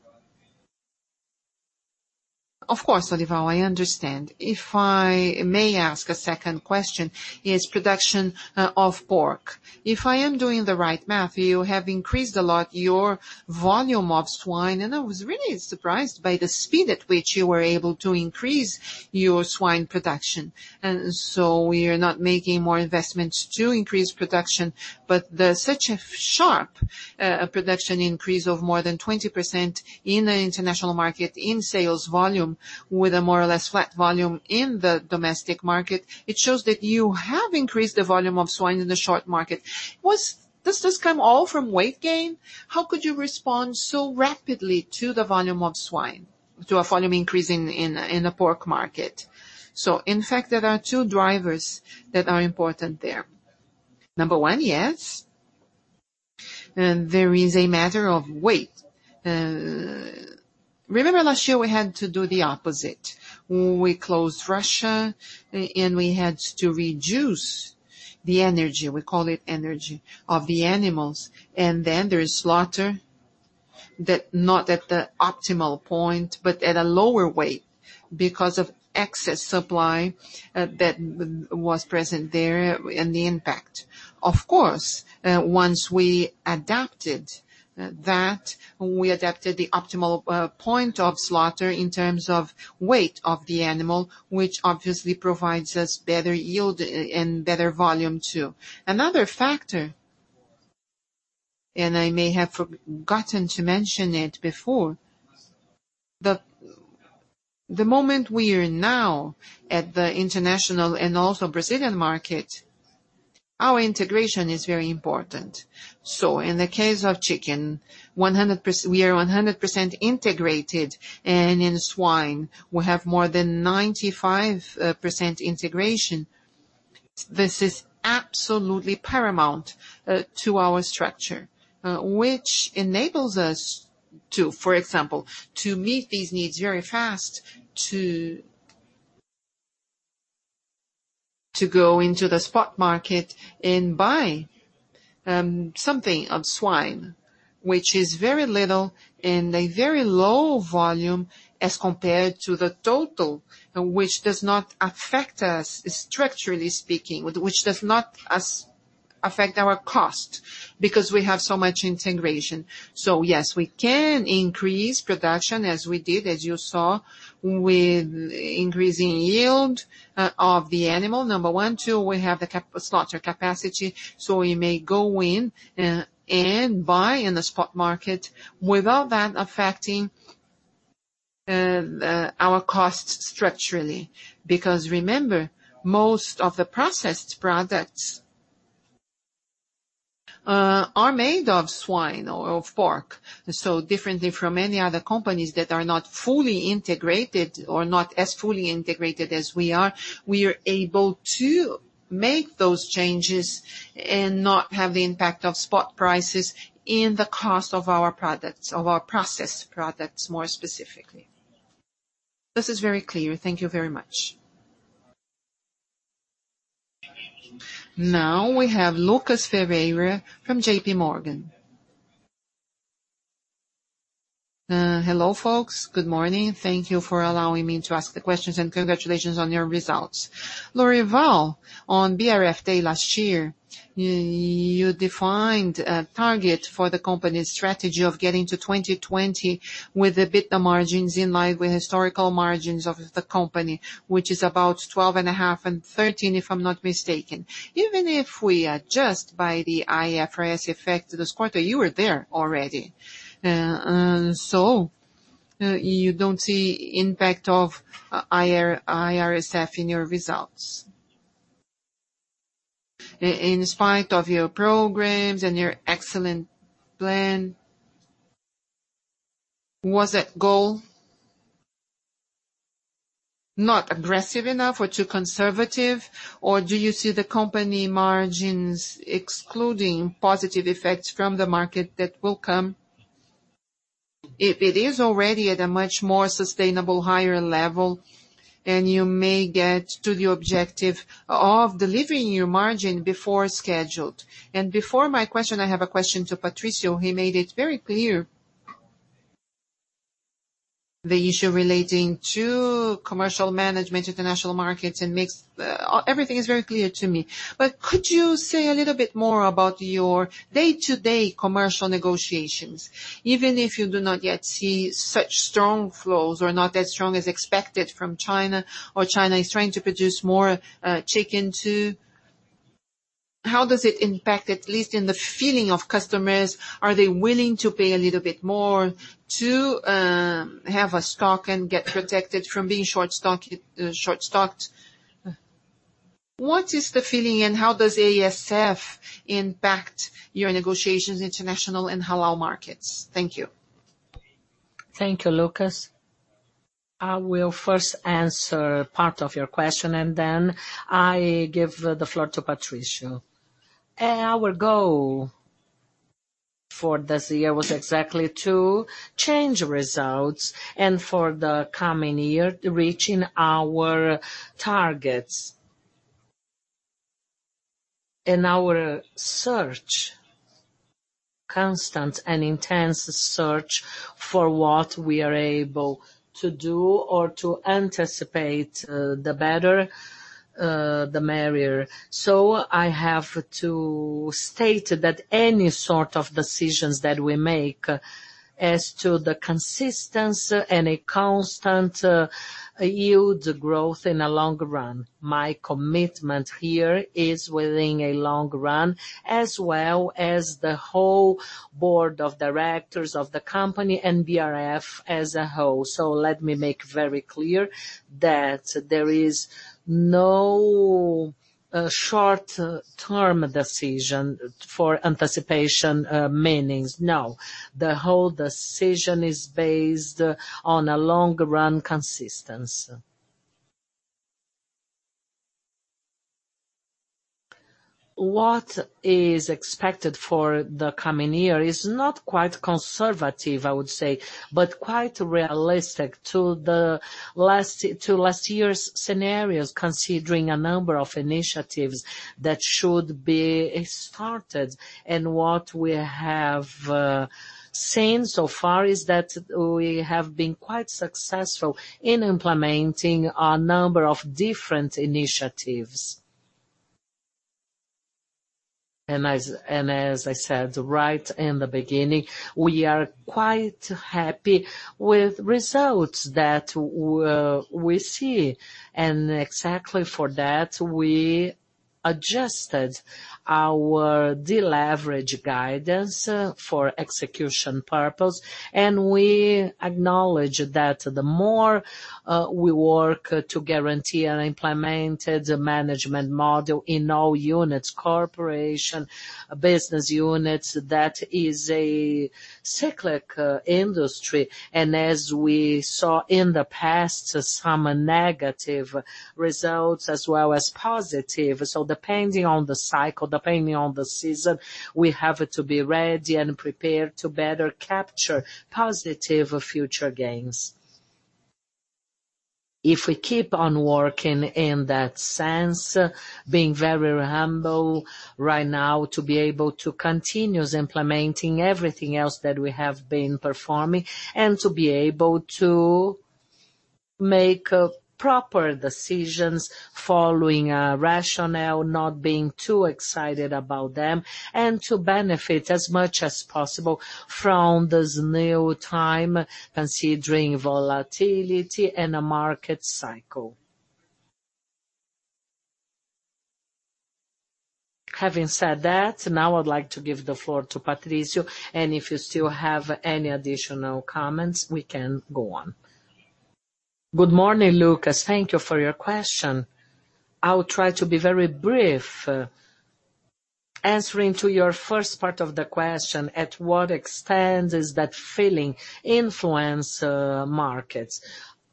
Of course, Lorival, I understand. If I may ask a second question, is production of pork. If I am doing the right math, you have increased a lot your volume of swine, and I was really surprised by the speed at which you were able to increase your swine production. We are not making more investments to increase production, but there's such a sharp production increase of more than 20% in the international market in sales volume with a more or less flat volume in the domestic market. It shows that you have increased the volume of swine in the short market. Does this come all from weight gain? How could you respond so rapidly to the volume of swine, to a volume increase in the pork market? In fact, there are two drivers that are important there. Number one, yes, there is a matter of weight. Remember last year we had to do the opposite. We closed Russia, and we had to reduce the energy, we call it energy, of the animals. There is slaughter, not at the optimal point, but at a lower weight because of excess supply that was present there and the impact. Once we adapted that, we adapted the optimal point of slaughter in terms of weight of the animal, which obviously provides us better yield and better volume too. Another factor, and I may have forgotten to mention it before, the moment we are now at the international and also Brazilian market, our integration is very important. In the case of chicken, we are 100% integrated, and in swine, we have more than 95% integration. This is absolutely paramount to our structure. Which enables us to, for example, to meet these needs very fast to go into the spot market and buy something of swine, which is very little and a very low volume as compared to the total, which does not affect us structurally speaking, which does not affect our cost because we have so much integration. Yes, we can increase production as we did, as you saw with increasing yield of the animal, number one. Two, we have the slaughter capacity, so we may go in and buy in the spot market without that affecting our cost structurally. Remember, most of the processed products are made of swine or pork. Differently from any other companies that are not fully integrated or not as fully integrated as we are, we are able to make those changes and not have the impact of spot prices in the cost of our products, of our processed products, more specifically. This is very clear. Thank you very much. We have Lucas Ferreira from JPMorgan. Hello, folks. Good morning. Thank you for allowing me to ask the questions and congratulations on your results. Lorival, on BRF Day last year, you defined a target for the company's strategy of getting to 2020 with the EBITDA margins in line with historical margins of the company, which is about 12.5% and 13%, if I'm not mistaken. Even if we adjust by the IFRS effect this quarter, you were there already. You don't see impact of ASF in your results. In spite of your programs and your excellent plan, was that goal not aggressive enough or too conservative? Do you see the company margins excluding positive effects from the market that will come? If it is already at a much more sustainable higher level and you may get to the objective of delivering your margin before scheduled. Before my question, I have a question to Patricio. He made it very clear the issue relating to commercial management, international markets and mix. Everything is very clear to me. Could you say a little bit more about your day-to-day commercial negotiations? Even if you do not yet see such strong flows or not as strong as expected from China or China is trying to produce more chicken too. How does it impact, at least in the feeling of customers, are they willing to pay a little bit more to have a stock and get protected from being short-stocked? What is the feeling and how does ASF impact your negotiations, international and Halal markets? Thank you. Thank you, Lucas. I will first answer part of your question and then I give the floor to Patricio. Our goal for this year was exactly to change results and for the coming year, reaching our targets. Our search, constant and intense search for what we are able to do or to anticipate, the better, the merrier. I have to state that any sort of decisions that we make as to the consistency and a constant yield growth in the long run. My commitment here is within a long run as well as the whole board of directors of the company and BRF as a whole. Let me make very clear that there is no short-term decision for anticipation meanings. No. The whole decision is based on a long-run consistency. What is expected for the coming year is not quite conservative, I would say, but quite realistic to last year's scenarios, considering a number of initiatives that should be started. What we have seen so far is that we have been quite successful in implementing a number of different initiatives. As I said right in the beginning, we are quite happy with results that we see. Exactly for that, we adjusted our deleverage guidance for execution purpose, and we acknowledge that the more we work to guarantee and implement the management model in all units, corporation, business units, that is a cyclic industry. As we saw in the past, some negative results as well as positive. Depending on the cycle, depending on the season, we have to be ready and prepared to better capture positive future gains. If we keep on working in that sense, being very humble right now to be able to continuously implementing everything else that we have been performing and to be able to make proper decisions following a rationale, not being too excited about them, and to benefit as much as possible from this new time, considering volatility and a market cycle. Having said that, now I'd like to give the floor to Patricio. If you still have any additional comments, we can go on. Good morning, Lucas. Thank you for your question. I'll try to be very brief. Answering to your first part of the question, at what extent is that feeling influence markets?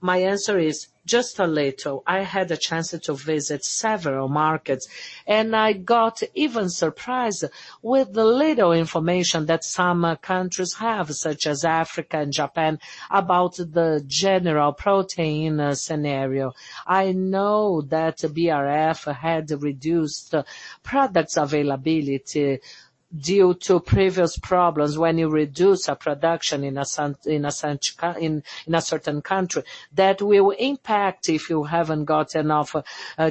My answer is just a little. I had a chance to visit several markets, and I got even surprised with the little information that some countries have, such as Africa and Japan, about the general protein scenario. I know that BRF had reduced products availability due to previous problems. When you reduce a production in a certain country, that will impact if you haven't got enough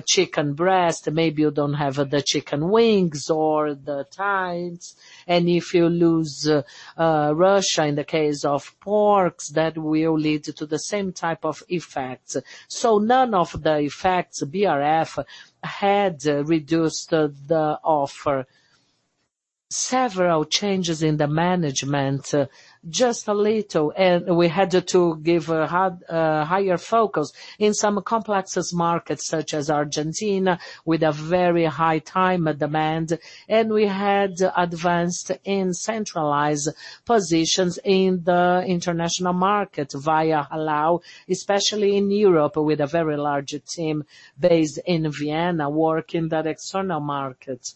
chicken breast, maybe you don't have the chicken wings or the thighs. If you lose Russia in the case of pork, that will lead to the same type of effects. None of the effects BRF had reduced the offer. Several changes in the management, just a little, and we had to give a higher focus in some complexes markets such as Argentina, with a very high-time demand. We had advanced in centralized positions in the international market via Halal, especially in Europe, with a very large team based in Vienna, working that external market.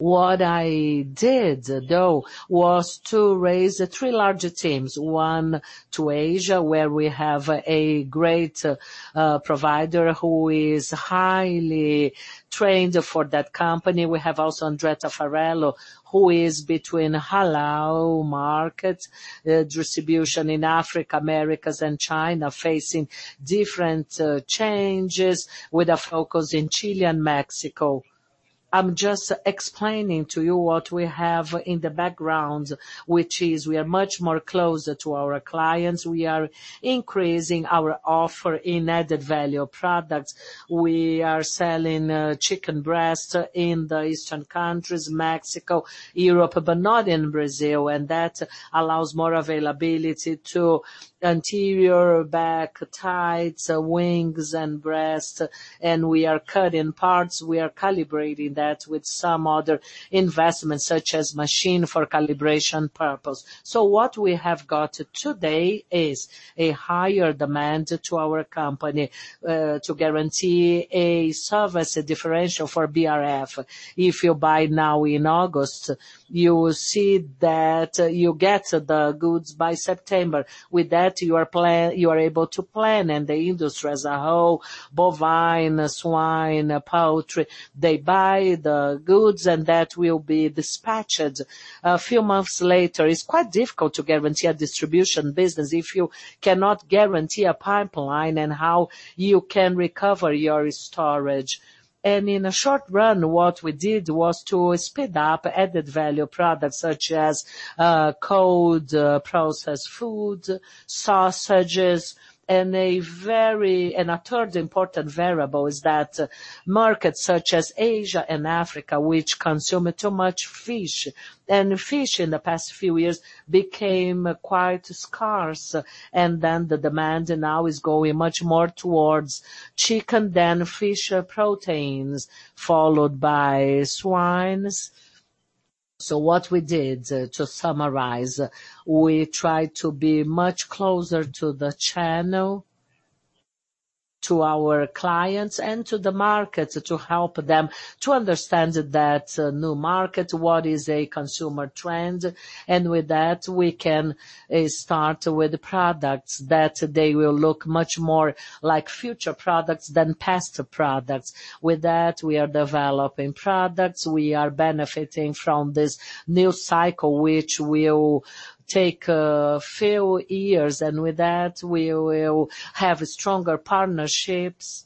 What I did, though, was to raise three larger teams, one to Asia, where we have a great provider who is highly trained for that company. We have also Andreia Farelo, who is between Halal markets, distribution in Africa, Americas, and China, facing different changes with a focus in Chile and Mexico. I'm just explaining to you what we have in the background, which is we are much more closer to our clients. We are increasing our offer in added-value products. We are selling chicken breast in the eastern countries, Mexico, Europe, but not in Brazil, and that allows more availability to anterior, back, thighs, wings, and breast. We are cutting parts. We are calibrating that with some other investments, such as machine for calibration purpose. What we have got today is a higher demand to our company to guarantee a service differential for BRF. If you buy now in August, you will see that you get the goods by September. With that, you are able to plan and the industry as a whole, bovine, swine, poultry, they buy the goods, and that will be dispatched a few months later. It's quite difficult to guarantee a distribution business if you cannot guarantee a pipeline and how you can recover your storage. In the short run, what we did was to speed up added-value products such as cold processed food, sausages. A third important variable is that markets such as Asia and Africa, which consume too much fish in the past few years became quite scarce, the demand now is going much more towards chicken than fish proteins, followed by swines. What we did, to summarize, we tried to be much closer to the channel, to our clients, and to the market to help them to understand that new market, what is a consumer trend. With that, we can start with products that they will look much more like future products than past products. With that, we are developing products. We are benefiting from this new cycle, which will take a few years. With that, we will have stronger partnerships.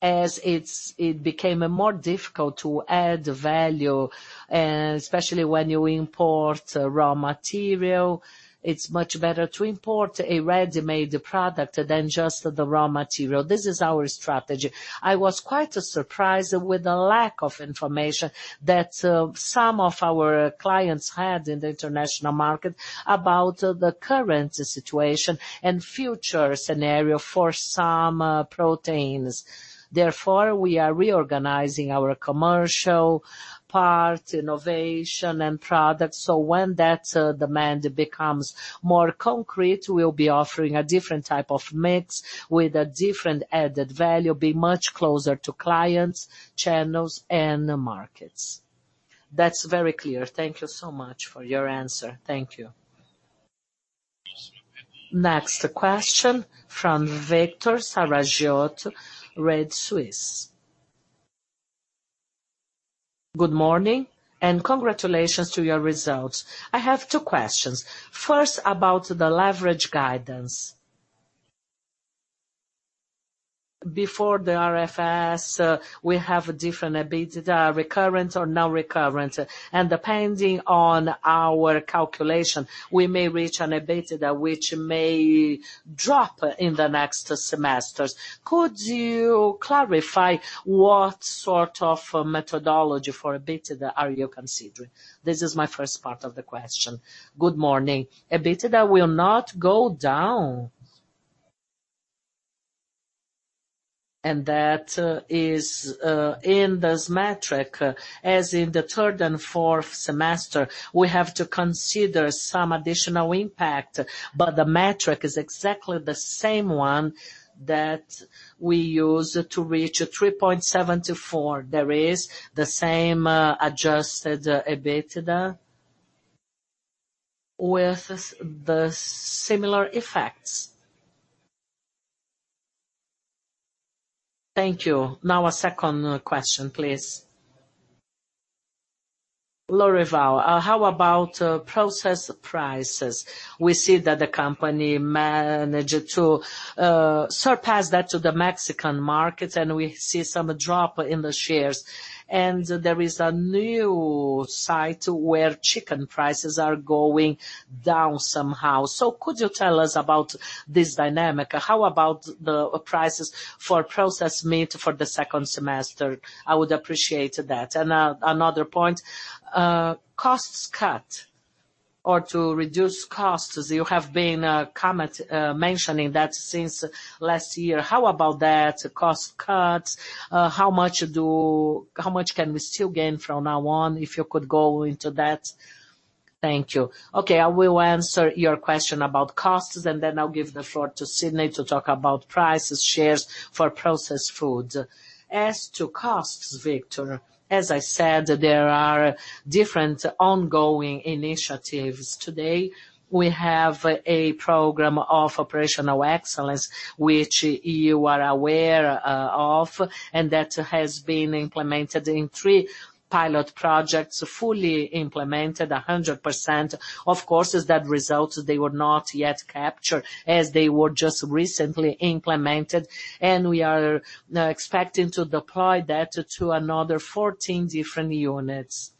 As it became more difficult to add value, especially when you import raw material, it's much better to import a ready-made product than just the raw material. This is our strategy. I was quite surprised with the lack of information that some of our clients had in the international market about the current situation and future scenario for some proteins. Therefore, we are reorganizing our commercial part, innovation, and products. When that demand becomes more concrete, we'll be offering a different type of mix with a different added value, being much closer to clients, channels, and markets. That's very clear. Thank you so much for your answer. Thank you. Next question from Victor Saragiotto, Credit Suisse. Good morning, and congratulations to your results. I have two questions. First, about the leverage guidance. Before the IFRS, we have a different EBITDA, recurrent or non-recurrent. Depending on our calculation, we may reach an EBITDA which may drop in the next semesters. Could you clarify what sort of methodology for EBITDA are you considering? This is my first part of the question. Good morning. EBITDA will not go down. That is in this metric. As in the third and fourth semester, we have to consider some additional impact, but the metric is exactly the same one that we use to reach 3.7-4. There is the same adjusted EBITDA with the similar effects. Thank you. A second question, please. Lorival, how about process prices? We see that the company managed to surpass that to the Mexican market, and we see some drop in the shares. There is a new site where chicken prices are going down somehow. Could you tell us about this dynamic? How about the prices for processed meat for the second semester? I would appreciate that. Another point, costs cut or to reduce costs, as you have been mentioning that since last year. How about that cost cuts? How much can we still gain from now on, if you could go into that? Thank you. Okay, I will answer your question about costs, then I'll give the floor to Sidnei to talk about prices, shares for processed food. As to costs, Victor, as I said, there are different ongoing initiatives. Today, we have a program of operational excellence, which you are aware of, and that has been implemented in three pilot projects, fully implemented 100%. Of course, as that results, they were not yet captured as they were just recently implemented. We are now expecting to deploy that to another 14 different units.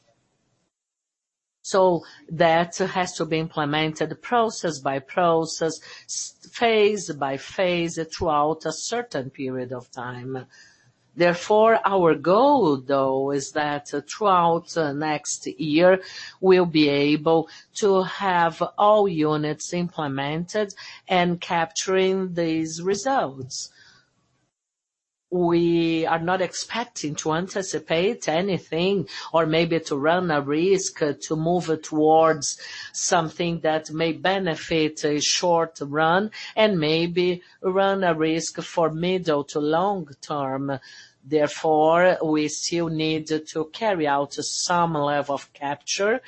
That has to be implemented process by process, phase by phase throughout a certain period of time. Our goal, though, is that throughout next year, we'll be able to have all units implemented and capturing these results. We are not expecting to anticipate anything or maybe to run a risk to move towards something that may benefit a short run and maybe run a risk for middle to long-term. We still need to carry out some level of capture.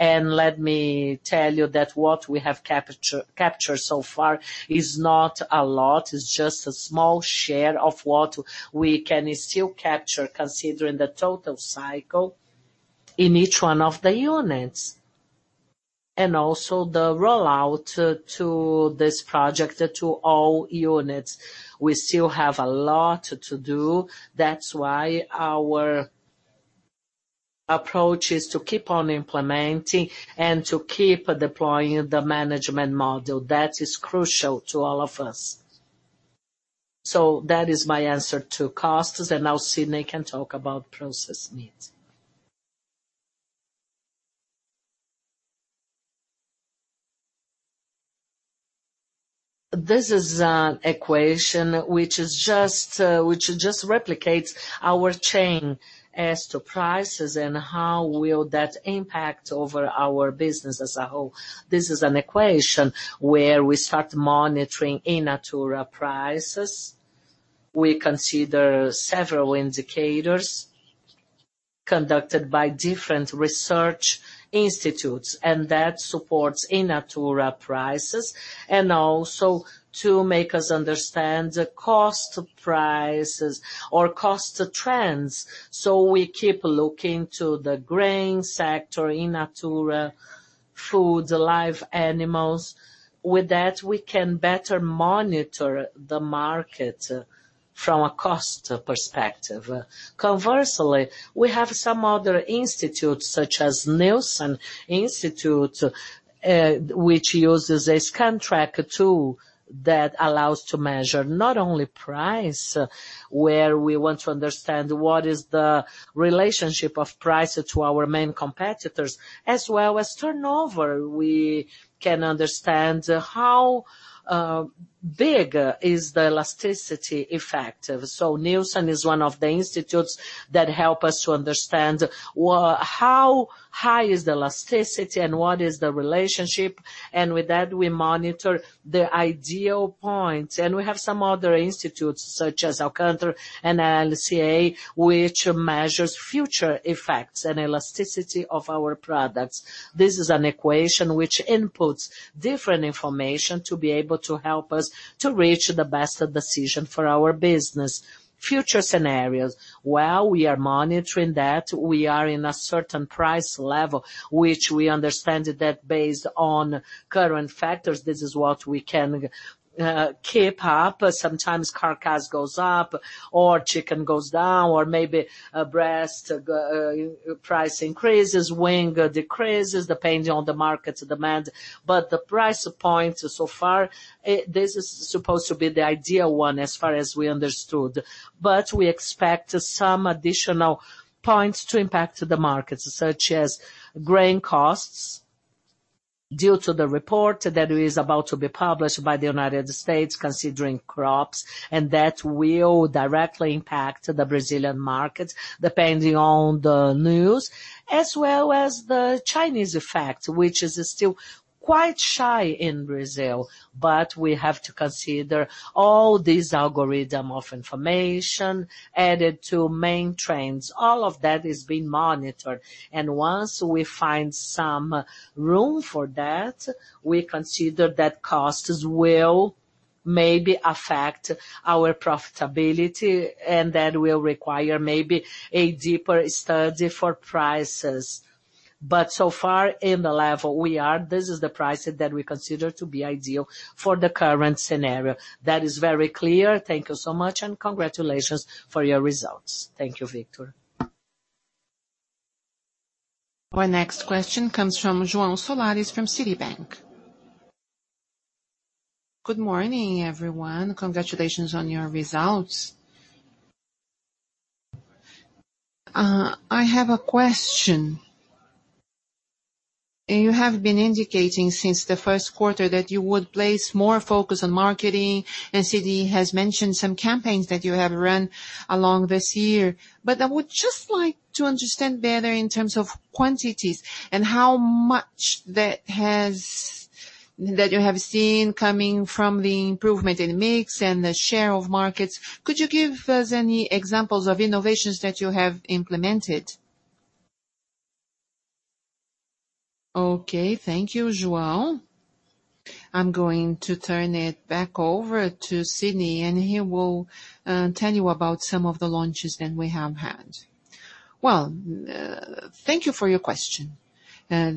Let me tell you that what we have captured so far is not a lot. It's just a small share of what we can still capture, considering the total cycle in each one of the units. Also the rollout to this project to all units. We still have a lot to do. That's why our approach is to keep on implementing and to keep deploying the management model. That is crucial to all of us. That is my answer to costs, and now Sidnei can talk about process needs. This is an equation which just replicates our chain as to prices and how will that impact over our business as a whole. This is an equation where we start monitoring in natura prices. We consider several indicators conducted by different research institutes, and that supports in natura prices, and also to make us understand the cost prices or cost trends. We keep looking to the grain sector, in natura food, live animals. With that, we can better monitor the market from a cost perspective. Conversely, we have some other institutes such as Nielsen, which uses a ScanTrack tool that allows to measure not only price, where we want to understand what is the relationship of price to our main competitors, as well as turnover. We can understand how big is the elasticity effect. Nielsen is one of the institutes that help us to understand how high is the elasticity and what is the relationship. With that, we monitor the ideal points. We have some other institutes such as Kantar and LCA, which measures future effects and elasticity of our products. This is an equation which inputs different information to be able to help us to reach the best decision for our business. Future scenarios. While we are monitoring that, we are in a certain price level, which we understand that based on current factors, this is what we can keep up. Sometimes carcass goes up or chicken goes down, or maybe breast price increases, wing decreases, depending on the market demand. The price points so far, this is supposed to be the ideal one as far as we understood. We expect some additional points to impact the markets, such as grain costs due to the report that is about to be published by the U.S. considering crops, and that will directly impact the Brazilian market, depending on the news, as well as the Chinese effect, which is still quite shy in Brazil. We have to consider all this algorithm of information added to main trends. All of that is being monitored. Once we find some room for that, we consider that costs will maybe affect our profitability, and that will require maybe a deeper study for prices. So far in the level we are, this is the pricing that we consider to be ideal for the current scenario. That is very clear. Thank you so much, and congratulations for your results. Thank you, Victor. Our next question comes from João Soares from Citibank. Good morning, everyone. Congratulations on your results. I have a question. You have been indicating since the first quarter that you would place more focus on marketing, and Sidnei has mentioned some campaigns that you have run along this year. I would just like to understand better in terms of quantities and how much that you have seen coming from the improvement in mix and the share of markets. Could you give us any examples of innovations that you have implemented? Okay. Thank you, João. I'm going to turn it back over to Sidnei. He will tell you about some of the launches that we have had. Well, thank you for your question. Well,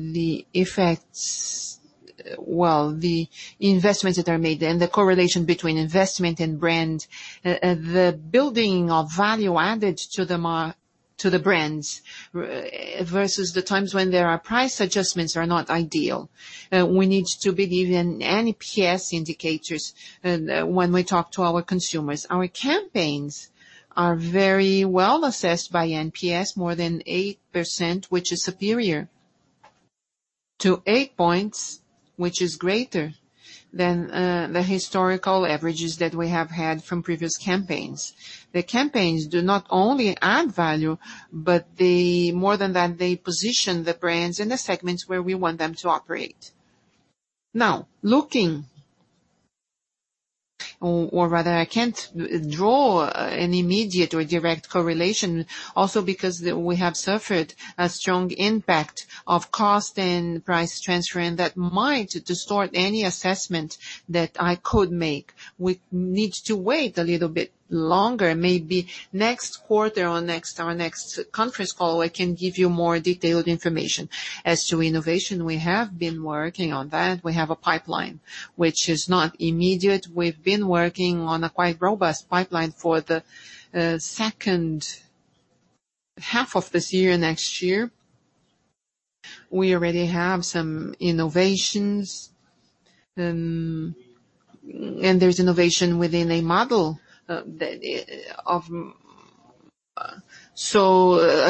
the investments that are made there and the correlation between investment and brand. The building of value added to the brands versus the times when there are price adjustments are not ideal. We need to believe in NPS indicators when we talk to our consumers. Our campaigns are very well assessed by NPS, more than 8%, which is superior to eight points, which is greater than the historical averages that we have had from previous campaigns. The campaigns do not only add value, but more than that, they position the brands in the segments where we want them to operate. Or rather, I can't draw an immediate or direct correlation also because we have suffered a strong impact of cost and price transfer, and that might distort any assessment that I could make. We need to wait a little bit longer. Maybe next quarter or next conference call, I can give you more detailed information. As to innovation, we have been working on that. We have a pipeline which is not immediate. We've been working on a quite robust pipeline for the second half of this year, next year. We already have some innovations. There's innovation within a model. A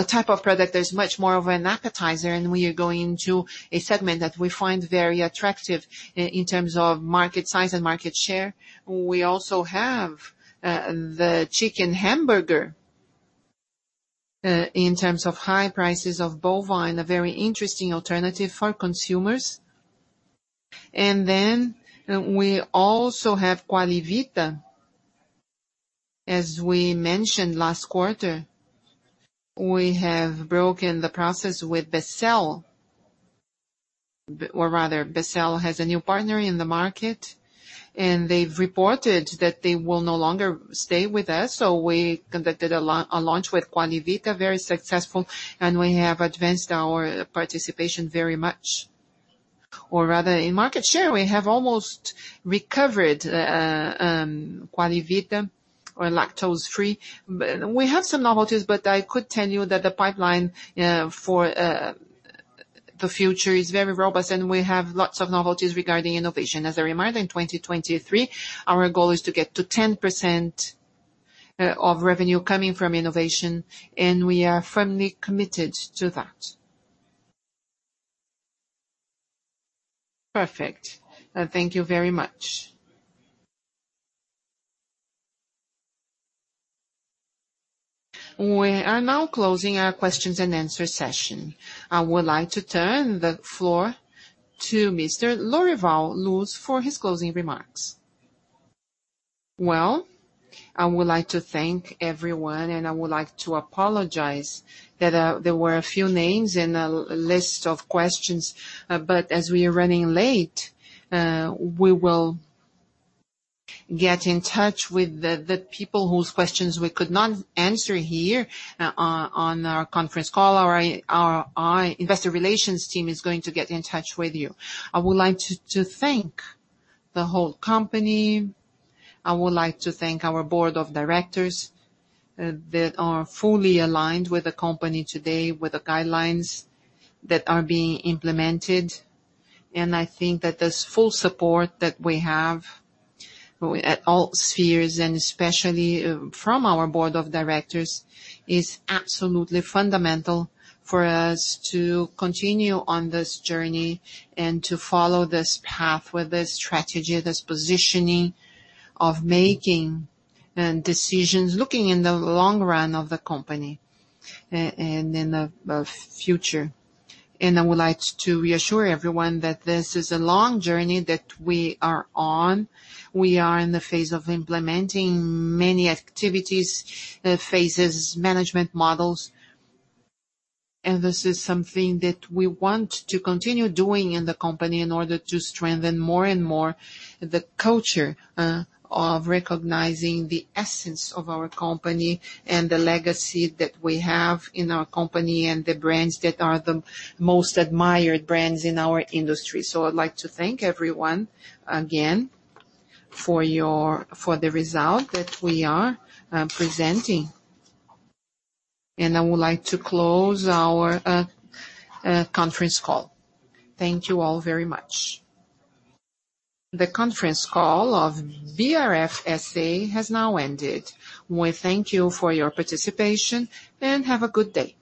type of product that is much more of an appetizer, and we are going into a segment that we find very attractive in terms of market size and market share. We also have the chicken hamburger. In terms of high prices of bovine, a very interesting alternative for consumers. We also have Qualy Vita. As we mentioned last quarter, we have broken the process with Becel. Becel has a new partner in the market, and they've reported that they will no longer stay with us. We conducted a launch with Quali Vita, very successful, and we have advanced our participation very much. In market share, we have almost recovered Quali Vita or lactose-free. We have some novelties, I could tell you that the pipeline for the future is very robust and we have lots of novelties regarding innovation. As a reminder, in 2023, our goal is to get to 10% of revenue coming from innovation, and we are firmly committed to that. Perfect. Thank you very much. We are now closing our questions and answer session. I would like to turn the floor to Mr. Lorival Luz for his closing remarks. Well, I would like to thank everyone, and I would like to apologize that there were a few names in the list of questions. As we are running late, we will get in touch with the people whose questions we could not answer here on our conference call. Our investor relations team is going to get in touch with you. I would like to thank the whole company. I would like to thank our board of directors that are fully aligned with the company today, with the guidelines that are being implemented. I think that this full support that we have at all spheres, and especially from our board of directors, is absolutely fundamental for us to continue on this journey and to follow this path with this strategy, this positioning of making decisions, looking in the long run of the company and in the future. I would like to reassure everyone that this is a long journey that we are on. We are in the phase of implementing many activities, phases, management models. This is something that we want to continue doing in the company in order to strengthen more and more the culture of recognizing the essence of our company and the legacy that we have in our company, and the brands that are the most admired brands in our industry. I'd like to thank everyone again for the result that we are presenting. I would like to close our conference call. Thank you all very much. The conference call of BRF SA has now ended. We thank you for your participation, and have a good day.